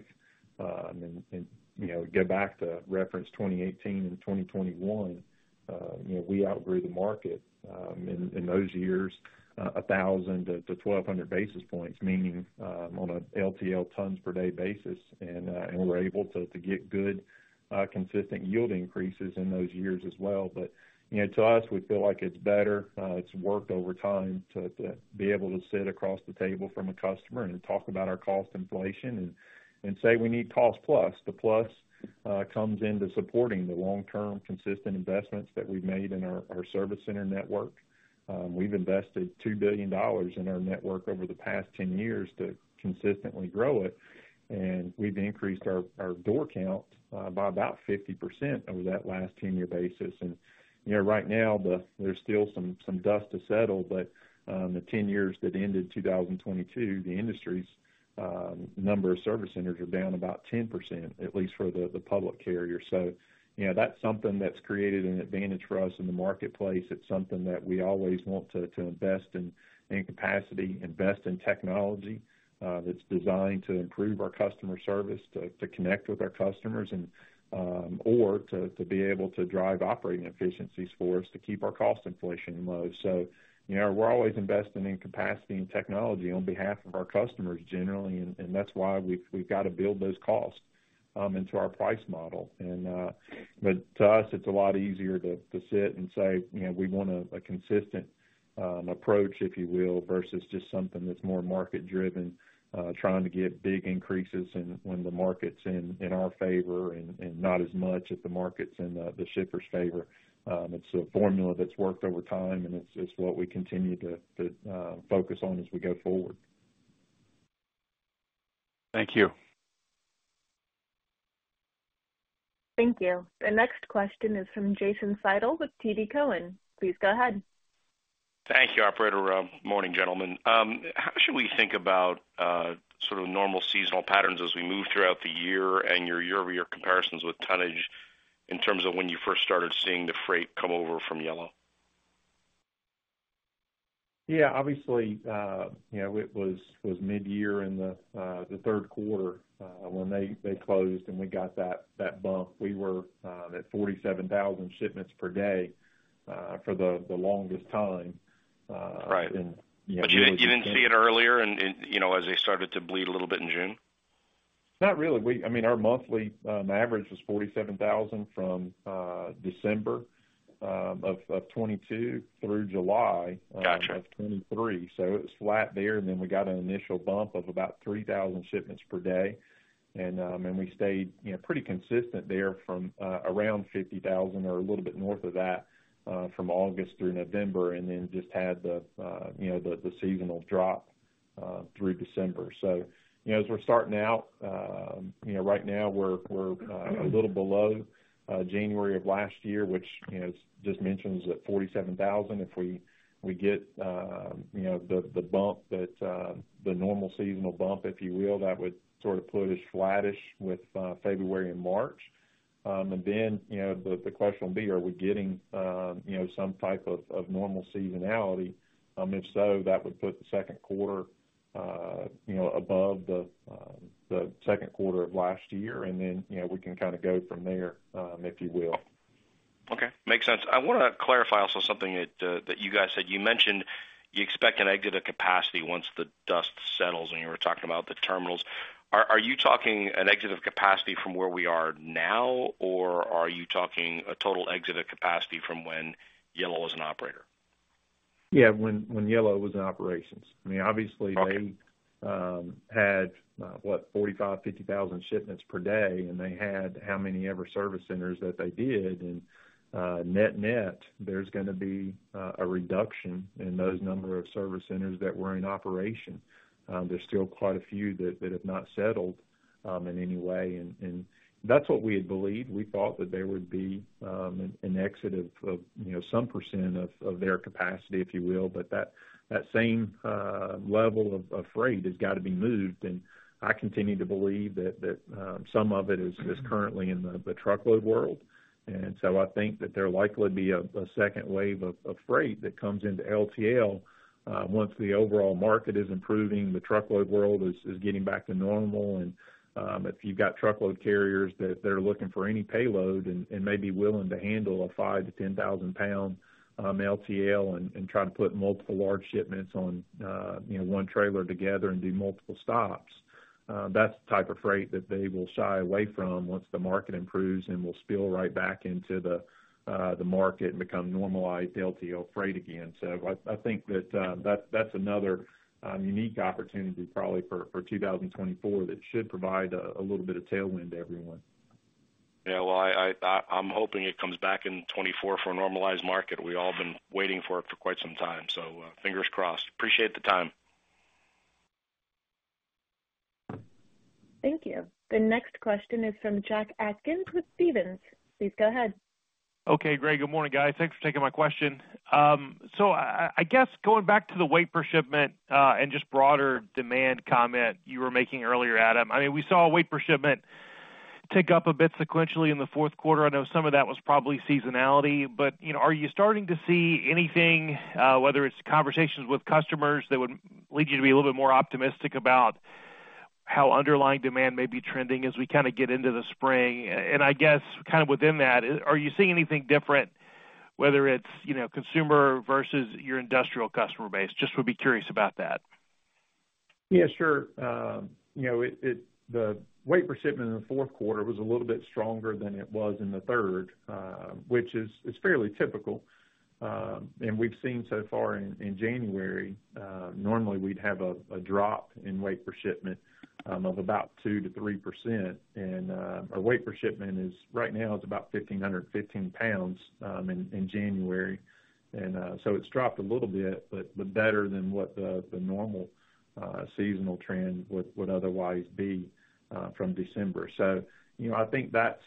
And, you know, get back to reference 2018 and 2021, you know, we outgrew the market in those years, in those years, 1,000-1,200 basis points, meaning on a LTL tons per day basis. And we're able to get good consistent yield increases in those years as well. But, you know, to us, we feel like it's better, it's worked over time to be able to sit across the table from a customer and talk about our cost inflation and say, "We need cost plus." The plus comes into supporting the long-term, consistent investments that we've made in our service center network. We've invested $2 billion in our network over the past 10 years to consistently grow it, and we've increased our door count by about 50% over that last 10-year basis. You know, right now, there's still some dust to settle, but the 10 years that ended 2022, the industry's number of service centers are down about 10%, at least for the public carrier. So, you know, that's something that's created an advantage for us in the marketplace. It's something that we always want to invest in capacity, invest in technology, that's designed to improve our customer service, to connect with our customers, and or to be able to drive operating efficiencies for us to keep our cost inflation low. So, you know, we're always investing in capacity and technology on behalf of our customers generally, and that's why we've got to build those costs into our price model. But to us, it's a lot easier to sit and say, you know, we want a consistent approach, if you will, versus just something that's more market-driven, trying to get big increases in when the market's in our favor and not as much if the market's in the shipper's favor. It's a formula that's worked over time, and it's what we continue to focus on as we go forward. Thank you. Thank you. The next question is from Jason Seidl with TD Cowen. Please go ahead. Thank you, operator. Morning, gentlemen. How should we think about sort of normal seasonal patterns as we move throughout the year and your year-over-year comparisons with tonnage in terms of when you first started seeing the freight come over from Yellow? Yeah, obviously, you know, it was mid-year in the third quarter when they closed, and we got that bump. We were at 47,000 shipments per day for the longest time. Right. You know. But you didn't see it earlier and, you know, as they started to bleed a little bit in June? Not really. We, I mean, our monthly average was 47,000 from December of 2022 through July. Gotcha. Of 2023. So it was flat there, and then we got an initial bump of about 3,000 shipments per day. And we stayed, you know, pretty consistent there from around 50,000 or a little bit north of that, from August through November, and then just had the, you know, the, the seasonal drop through December. So, you know, as we're starting out, you know, right now, we're, we're a little below January of last year, which, you know, as just mentioned, was at 47,000. If we get, you know, the, the bump that the normal seasonal bump, if you will, that would sort of put us flattish with February and March. And then, you know, the, the question will be: Are we getting, you know, some type of, of normal seasonality? If so, that would put the second quarter, you know, above the second quarter of last year, and then, you know, we can kinda go from there, if you will. Okay. Makes sense. I wanna clarify also something that, that you guys said. You mentioned you expect an exit of capacity once the dust settles, and you were talking about the terminals. Are, are you talking an exit of capacity from where we are now, or are you talking a total exit of capacity from when Yellow was an operator? Yeah, when Yellow was in operations. I mean, obviously. Okay. They had what? 45,000, 50,000 shipments per day, and they had however many service centers that they did. Net-net, there's gonna be a reduction in those number of service centers that were in operation. There's still quite a few that have not settled in any way, and that's what we had believed. We thought that there would be an exit of, you know, some% of their capacity, if you will, but that same level of freight has got to be moved. And I continue to believe that some of it is currently in the truckload world. And so I think that there likely will be a second wave of freight that comes into LTL once the overall market is improving, the truckload world is getting back to normal. And if you've got truckload carriers that they're looking for any payload and may be willing to handle a 5,000-10,000-pound LTL and try to put multiple large shipments on, you know, one trailer together and do multiple stops, that's the type of freight that they will shy away from once the market improves and will spill right back into the market and become normalized LTL freight again. So I think that that's another unique opportunity probably for 2024, that should provide a little bit of tailwind to everyone. Yeah, well, I'm hoping it comes back in 2024 for a normalized market. We've all been waiting for it for quite some time, so, fingers crossed. Appreciate the time. Thank you. The next question is from Jack Atkins with Stephens. Please go ahead. Okay, great. Good morning, guys. Thanks for taking my question. So I guess going back to the weight per shipment and just broader demand comment you were making earlier, Adam. I mean, we saw weight per shipment tick up a bit sequentially in the fourth quarter. I know some of that was probably seasonality, but you know, are you starting to see anything, whether it's conversations with customers, that would lead you to be a little bit more optimistic about how underlying demand may be trending as we kinda get into the spring? And I guess kind of within that, are you seeing anything different, whether it's you know, consumer versus your industrial customer base? Just would be curious about that. Yeah, sure. You know, The weight per shipment in the fourth quarter was a little bit stronger than it was in the third, which is fairly typical. And we've seen so far in January, normally we'd have a drop in weight per shipment of about 2%-3%. And our weight per shipment is, right now, about 1,515 lbs in January. And so it's dropped a little bit, but better than what the normal seasonal trend would otherwise be from December. So, you know, I think that's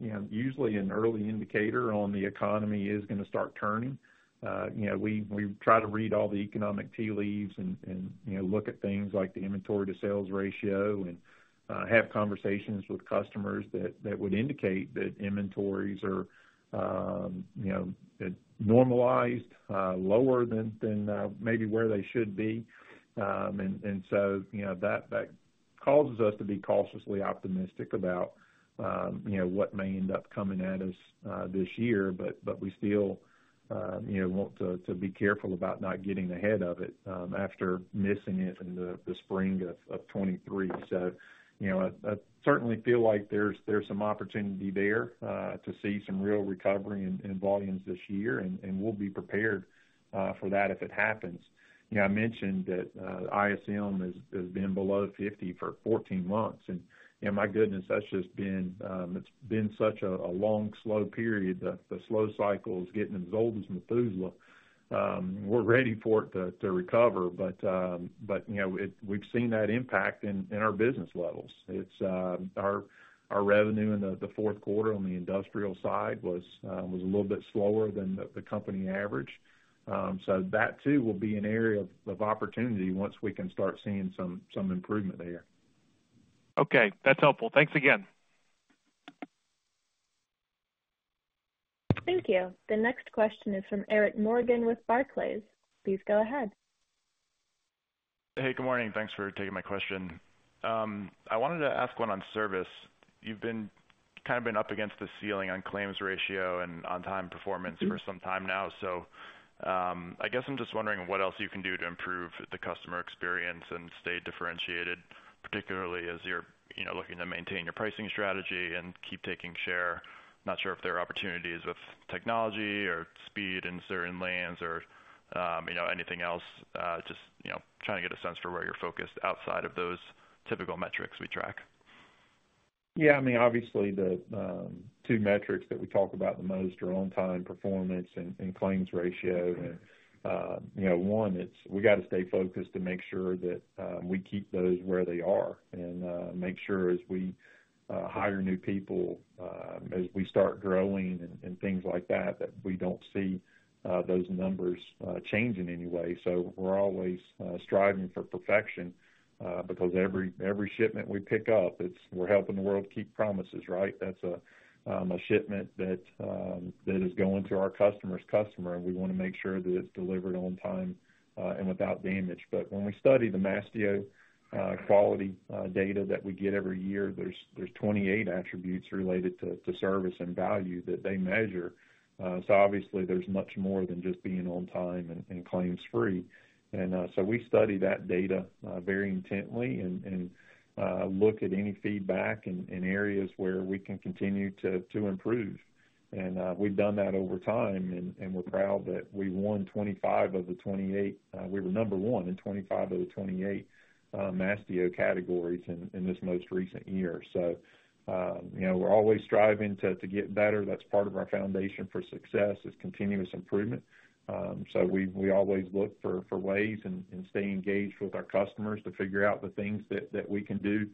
you know, usually an early indicator on the economy is gonna start turning. You know, we try to read all the economic tea leaves and, you know, look at things like the inventory-to-sales ratio and, have conversations with customers that would indicate that inventories are, you know, normalized, lower than, maybe where they should be. And so, you know, that causes us to be cautiously optimistic about, you know, what may end up coming at us, this year, but we still, you know, want to be careful about not getting ahead of it, after missing it in the spring of 2023. So, you know, I certainly feel like there's some opportunity there, to see some real recovery in volumes this year, and we'll be prepared, for that if it happens. You know, I mentioned that, ISM has been below 50 for 14 months, and, you know, my goodness, that's just been, it's been such a long, slow period. The slow cycle is getting as old as Methuselah. We're ready for it to recover, but, you know, we've seen that impact in our business levels. It's, our revenue in the fourth quarter on the industrial side was a little bit slower than the company average. So that, too, will be an area of opportunity once we can start seeing some improvement there. Okay, that's helpful. Thanks again. Thank you. The next question is from Eric Morgan with Barclays. Please go ahead. Hey, good morning. Thanks for taking my question. I wanted to ask one on service. You've kind of been up against the ceiling on claims ratio and on-time performance for some time now. So, I guess I'm just wondering what else you can do to improve the customer experience and stay differentiated, particularly as you're, you know, looking to maintain your pricing strategy and keep taking share. Not sure if there are opportunities with technology or speed in certain lanes or, you know, anything else. Just, you know, trying to get a sense for where you're focused outside of those typical metrics we track. Yeah, I mean, obviously, the two metrics that we talk about the most are on-time performance and claims ratio. And you know, it's we got to stay focused to make sure that we keep those where they are and make sure as we hire new people as we start growing and things like that, that we don't see those numbers change in any way. So we're always striving for perfection because every shipment we pick up, it's we're helping the world keep promises, right? That's a shipment that is going to our customer's customer, and we want to make sure that it's delivered on time and without damage. But when we study the Mastio quality data that we get every year, there's 28 attributes related to service and value that they measure. So obviously, there's much more than just being on time and claims free. And so we study that data very intently and look at any feedback and areas where we can continue to improve. And we've done that over time, and we're proud that we won 25 of the 28, we were number one in 25 of the 28 Mastio categories in this most recent year. So you know, we're always striving to get better. That's part of our foundation for success, is continuous improvement. So we always look for ways and stay engaged with our customers to figure out the things that we can do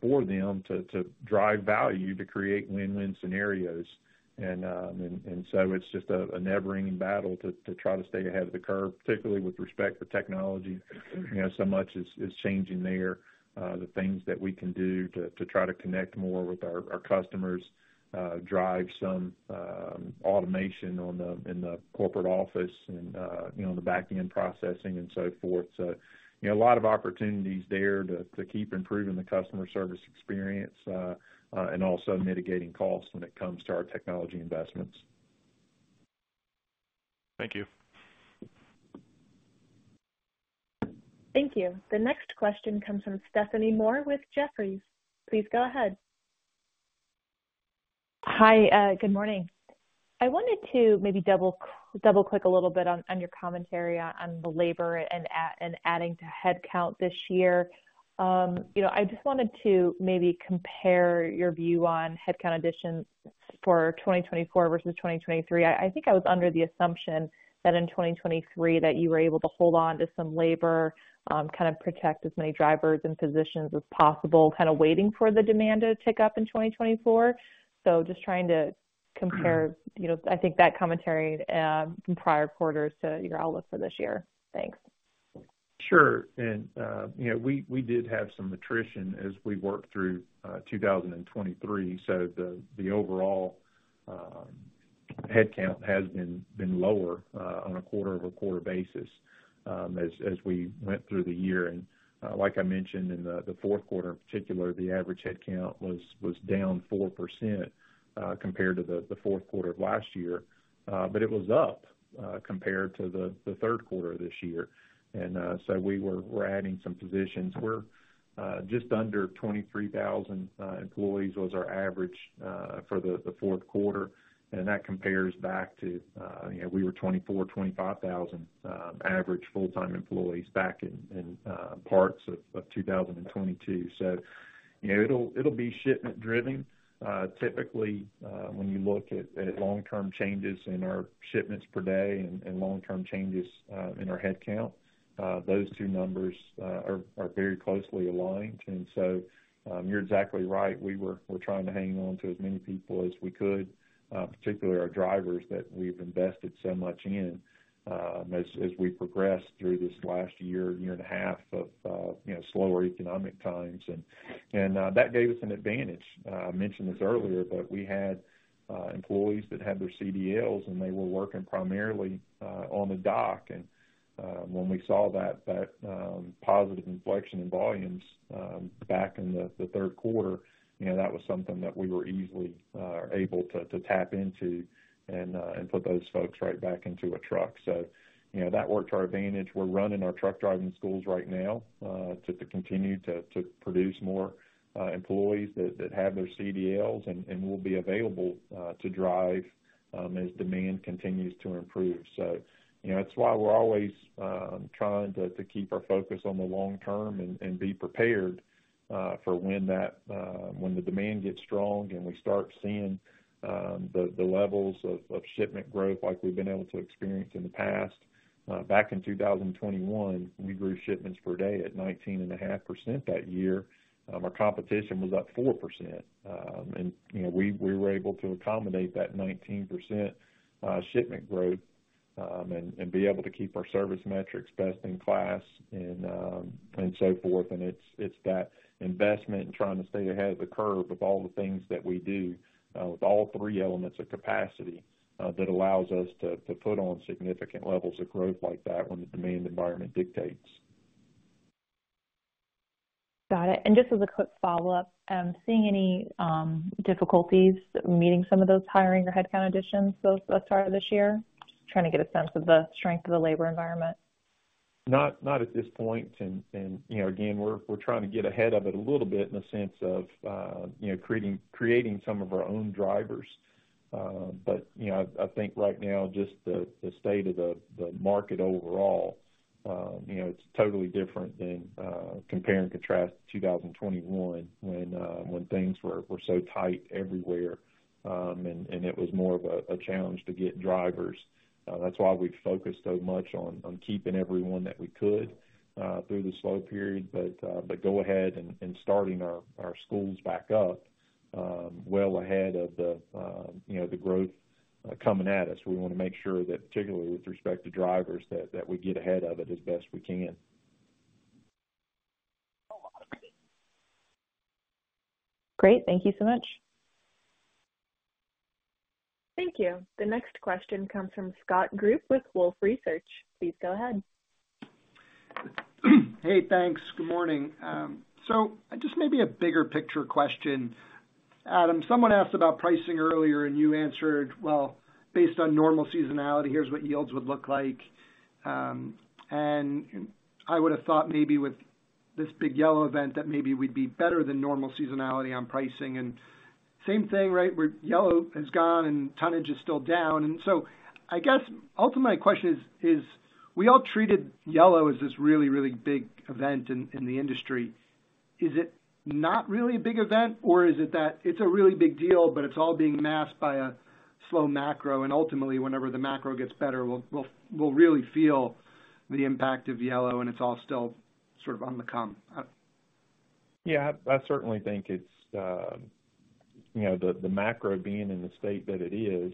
for them to drive value, to create win-win scenarios. So it's just a never-ending battle to try to stay ahead of the curve, particularly with respect to technology. You know, so much is changing there. The things that we can do to try to connect more with our customers, drive some automation in the corporate office and, you know, the back-end processing and so forth. So, you know, a lot of opportunities there to keep improving the customer service experience, and also mitigating costs when it comes to our technology investments. Thank you. Thank you. The next question comes from Stephanie Moore with Jefferies. Please go ahead. Hi, good morning. I wanted to maybe double-click a little bit on your commentary on the labor and adding to headcount this year. You know, I just wanted to maybe compare your view on headcount additions for 2024 versus 2023. I think I was under the assumption that in 2023, that you were able to hold on to some labor, kind of protect as many drivers and positions as possible, kind of waiting for the demand to tick up in 2024. So just trying to compare, you know, I think that commentary from prior quarters to your outlook for this year. Thanks. Sure. And, you know, we did have some attrition as we worked through 2023, so the overall headcount has been lower on a quarter-over-quarter basis as we went through the year. And, like I mentioned, in the fourth quarter, in particular, the average headcount was down 4% compared to the fourth quarter of last year. But it was up compared to the third quarter this year. And, so we're adding some positions. We're just under 23,000 employees, was our average for the fourth quarter, and that compares back to, you know, we were 24,000-25,000 average full-time employees back in parts of 2022. So, you know, it'll be shipment driven. Typically, when you look at long-term changes in our shipments per day and long-term changes in our headcount, those two numbers are very closely aligned. And so, you're exactly right. We were, we're trying to hang on to as many people as we could, particularly our drivers that we've invested so much in, as we progressed through this last year and a half of you know, slower economic times. And that gave us an advantage. I mentioned this earlier, but we had employees that had their CDLs, and they were working primarily on the dock. When we saw that positive inflection in volumes back in the third quarter, you know, that was something that we were easily able to tap into and put those folks right back into a truck. So, you know, that worked to our advantage. We're running our truck driving schools right now to continue to produce more employees that have their CDLs and will be available to drive as demand continues to improve. So, you know, that's why we're always trying to keep our focus on the long term and be prepared for when the demand gets strong and we start seeing the levels of shipment growth like we've been able to experience in the past. Back in 2021, we grew shipments per day at 19.5% that year. Our competition was up 4%. And, you know, we were able to accommodate that 19% shipment growth, and be able to keep our service metrics best in class, and so forth. And it's that investment in trying to stay ahead of the curve of all the things that we do with all three elements of capacity that allows us to put on significant levels of growth like that when the demand environment dictates. Got it. And just as a quick follow-up, seeing any difficulties meeting some of those hiring or headcount additions thus far this year? Just trying to get a sense of the strength of the labor environment. Not at this point. And you know, again, we're trying to get ahead of it a little bit in the sense of, you know, creating some of our own drivers. But you know, I think right now, just the state of the market overall, you know, it's totally different than compare and contrast 2021, when things were so tight everywhere, and it was more of a challenge to get drivers. That's why we've focused so much on keeping everyone that we could through the slow period, but go ahead and starting our schools back up, well ahead of the, you know, the growth coming at us. We wanna make sure that, particularly with respect to drivers, that we get ahead of it as best we can. Great. Thank you so much. Thank you. The next question comes from Scott Group with Wolfe Research. Please go ahead. Hey, thanks. Good morning. So just maybe a bigger picture question. Adam, someone asked about pricing earlier, and you answered, "Well, based on normal seasonality, here's what yields would look like." And I would have thought maybe with this big Yellow event, that maybe we'd be better than normal seasonality on pricing. And same thing, right, where Yellow has gone and tonnage is still down. And so I guess, ultimately, my question is, is we all treated Yellow as this really, really big event in the industry. Is it not really a big event, or is it that it's a really big deal, but it's all being masked by a slow macro, and ultimately, whenever the macro gets better, we'll really feel the impact of Yellow, and it's all still sort of on the come? Yeah, I certainly think it's, you know, the macro being in the state that it is,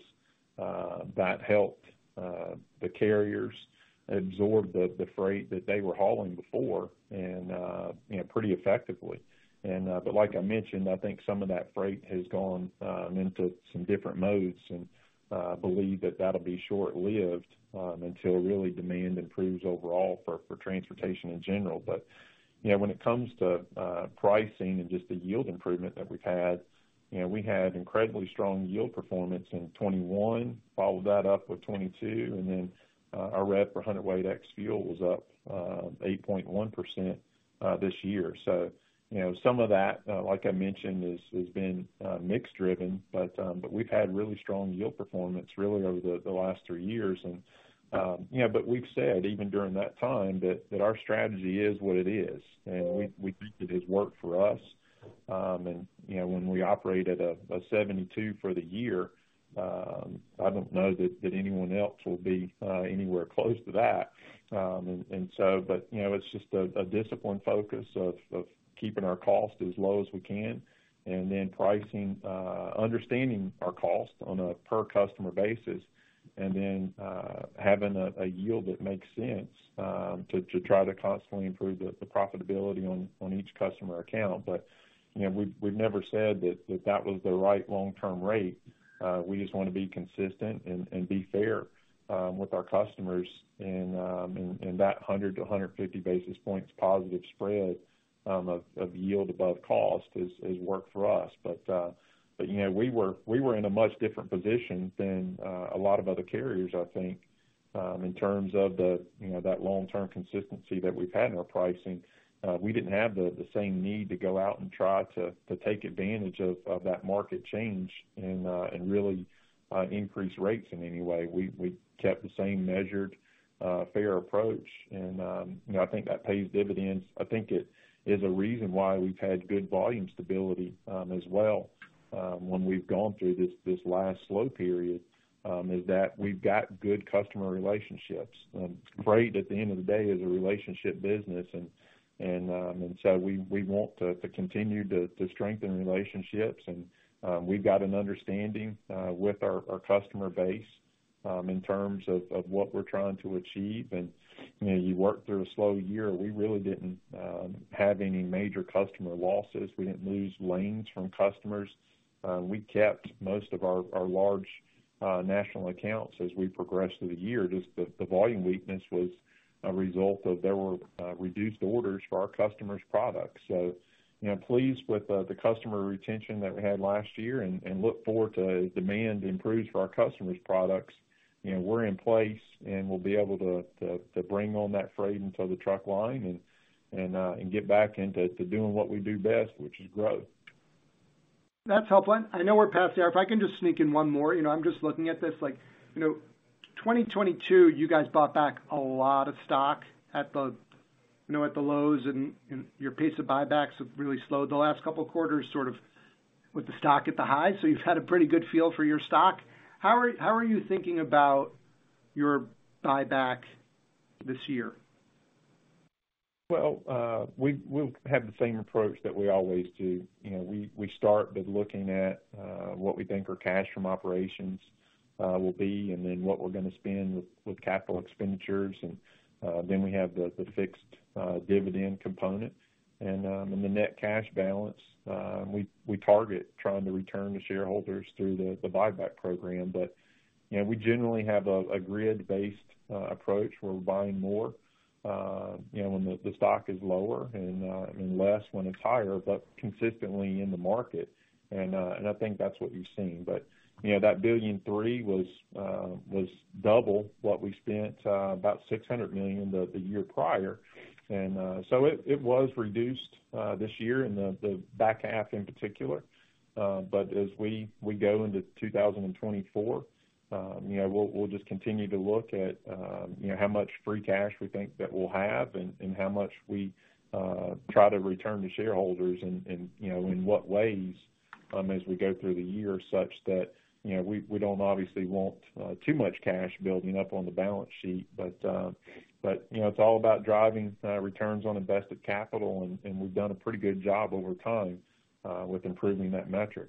that helped the carriers absorb the freight that they were hauling before, and, you know, pretty effectively. But like I mentioned, I think some of that freight has gone into some different modes, and, I believe that that'll be short-lived, until really demand improves overall for transportation in general. But, you know, when it comes to pricing and just the yield improvement that we've had, you know, we had incredibly strong yield performance in 2021, followed that up with 2022, and then, our rev for hundredweight ex fuel was up 8.1%, this year. So, you know, some of that, like I mentioned, has been mix driven, but we've had really strong yield performance really over the last three years. And you know, but we've said, even during that time, that our strategy is what it is, and we think it has worked for us. And you know, when we operate at a 72 for the year, I don't know that anyone else will be anywhere close to that. And so but, you know, it's just a disciplined focus of keeping our cost as low as we can, and then pricing, understanding our cost on a per customer basis, and then having a yield that makes sense to try to constantly improve the profitability on each customer account. But, you know, we've never said that that was the right long-term rate. We just wanna be consistent and be fair with our customers. And that 100-150 basis points positive spread of yield above cost has worked for us. But you know, we were in a much different position than a lot of other carriers, I think, in terms of the you know, that long-term consistency that we've had in our pricing. We didn't have the same need to go out and try to take advantage of that market change and really increase rates in any way. We kept the same measured fair approach, and you know, I think that pays dividends. I think it is a reason why we've had good volume stability, as well, when we've gone through this last slow period, is that we've got good customer relationships. Freight, at the end of the day, is a relationship business, and so we want to continue to strengthen relationships. We've got an understanding with our customer base in terms of what we're trying to achieve. You know, you work through a slow year, we really didn't have any major customer losses. We didn't lose lanes from customers. We kept most of our large national accounts as we progressed through the year. Just the volume weakness was a result of there were reduced orders for our customers' products. So, you know, pleased with the customer retention that we had last year and look forward to demand improves for our customers' products. You know, we're in place, and we'll be able to bring on that freight into the truck line and get back into doing what we do best, which is growth. That's helpful. I know we're past the hour. If I can just sneak in one more, you know, I'm just looking at this like, you know, 2022, you guys bought back a lot of stock at the, you know, at the lows, and, and your pace of buybacks have really slowed the last couple of quarters, sort of with the stock at the high. So you've had a pretty good feel for your stock. How are, how are you thinking about your buyback this year? Well, we'll have the same approach that we always do. You know, we start with looking at what we think our cash from operations will be, and then what we're gonna spend with capital expenditures. And then we have the fixed dividend component. And the net cash balance we target trying to return to shareholders through the buyback program. But, you know, we generally have a grid-based approach where we're buying more, you know, when the stock is lower and less when it's higher, but consistently in the market, and I think that's what you've seen. But, you know, that $1.3 billion was double what we spent, about $600 million the year prior. So it was reduced this year in the back half in particular. But as we go into 2024, you know, we'll just continue to look at, you know, how much free cash we think that we'll have and how much we try to return to shareholders and, you know, in what ways, as we go through the year, such that, you know, we don't obviously want too much cash building up on the balance sheet. But, you know, it's all about driving returns on invested capital, and we've done a pretty good job over time with improving that metric.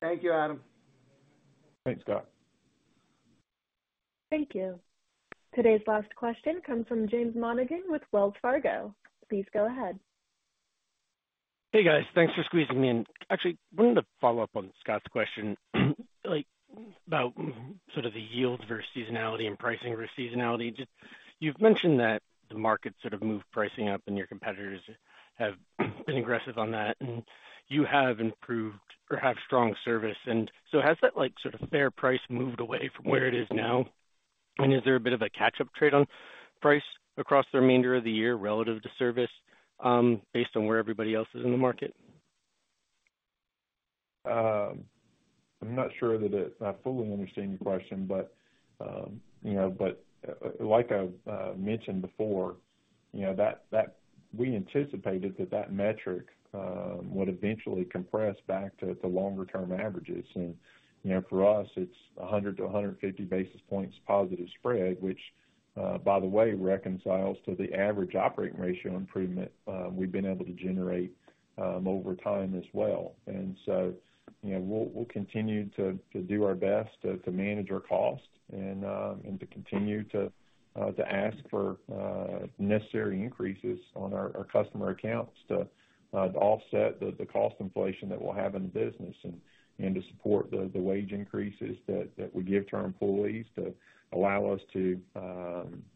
Thank you, Adam. Thanks, Scott. Thank you. Today's last question comes from James Monigan with Wells Fargo. Please go ahead. Hey, guys. Thanks for squeezing me in. Actually, wanted to follow up on Scott's question, like, about sort of the yield versus seasonality and pricing versus seasonality. Just, you've mentioned that the market sort of moved pricing up, and your competitors have been aggressive on that, and you have improved or have strong service. And so has that, like, sort of fair price moved away from where it is now? And is there a bit of a catch-up trade on price across the remainder of the year relative to service, based on where everybody else is in the market? I'm not sure that I fully understand your question, but, you know, but, like I've mentioned before, you know, that, that, we anticipated that that metric, would eventually compress back to the longer term averages. And, you know, for us, it's 100-150 basis points positive spread, which, by the way, reconciles to the average operating ratio improvement, we've been able to generate, over time as well. And so, you know, we'll continue to do our best to manage our cost and to continue to ask for necessary increases on our customer accounts to offset the cost inflation that we'll have in the business and to support the wage increases that we give to our employees to allow us to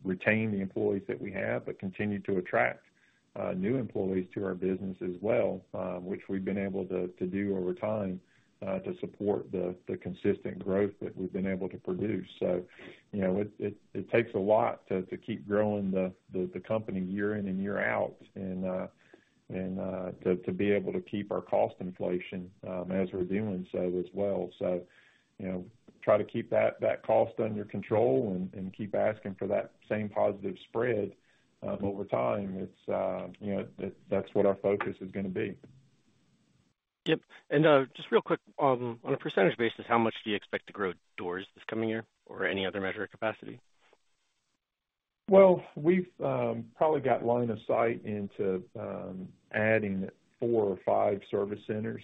retain the employees that we have, but continue to attract new employees to our business as well, which we've been able to do over time to support the consistent growth that we've been able to produce. So, you know, it takes a lot to keep growing the company year in and year out, and to be able to keep our cost inflation as we're doing so as well. So, you know, try to keep that cost under control and keep asking for that same positive spread over time. It's, you know, that's what our focus is gonna be. Yep. And just real quick, on a percentage basis, how much do you expect to grow doors this coming year or any other measure of capacity? Well, we've probably got line of sight into adding four or five service centers.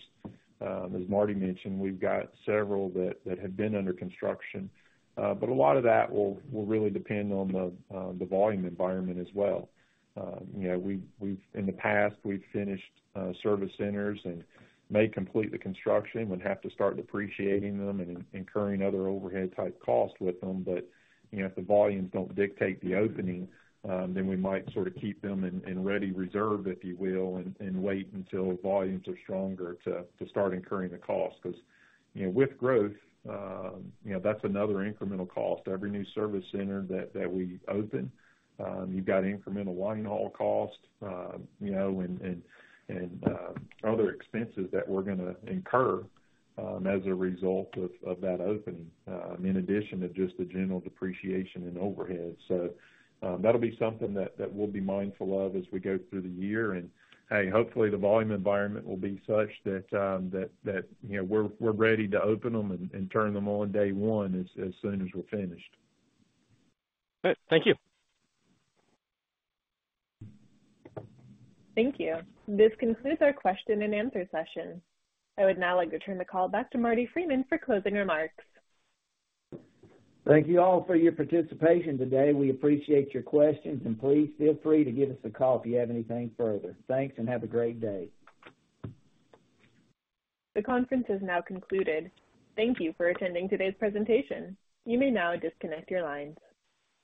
As Marty mentioned, we've got several that have been under construction. But a lot of that will really depend on the volume environment as well. You know, in the past, we've finished service centers and may complete the construction, would have to start depreciating them and incurring other overhead type costs with them. But, you know, if the volumes don't dictate the opening, then we might sort of keep them in ready reserve, if you will, and wait until volumes are stronger to start incurring the cost. Because, you know, with growth, you know, that's another incremental cost. Every new service center that we open, you've got incremental linehaul cost, you know, and other expenses that we're gonna incur as a result of that opening, in addition to just the general depreciation and overhead. So, that'll be something that we'll be mindful of as we go through the year. And, hey, hopefully, the volume environment will be such that you know, we're ready to open them and turn them on day one as soon as we're finished. Good. Thank you. Thank you. This concludes our question and answer session. I would now like to turn the call back to Marty Freeman for closing remarks. Thank you all for your participation today. We appreciate your questions, and please feel free to give us a call if you have anything further. Thanks, and have a great day. The conference is now concluded. Thank you for attending today's presentation. You may now disconnect your lines.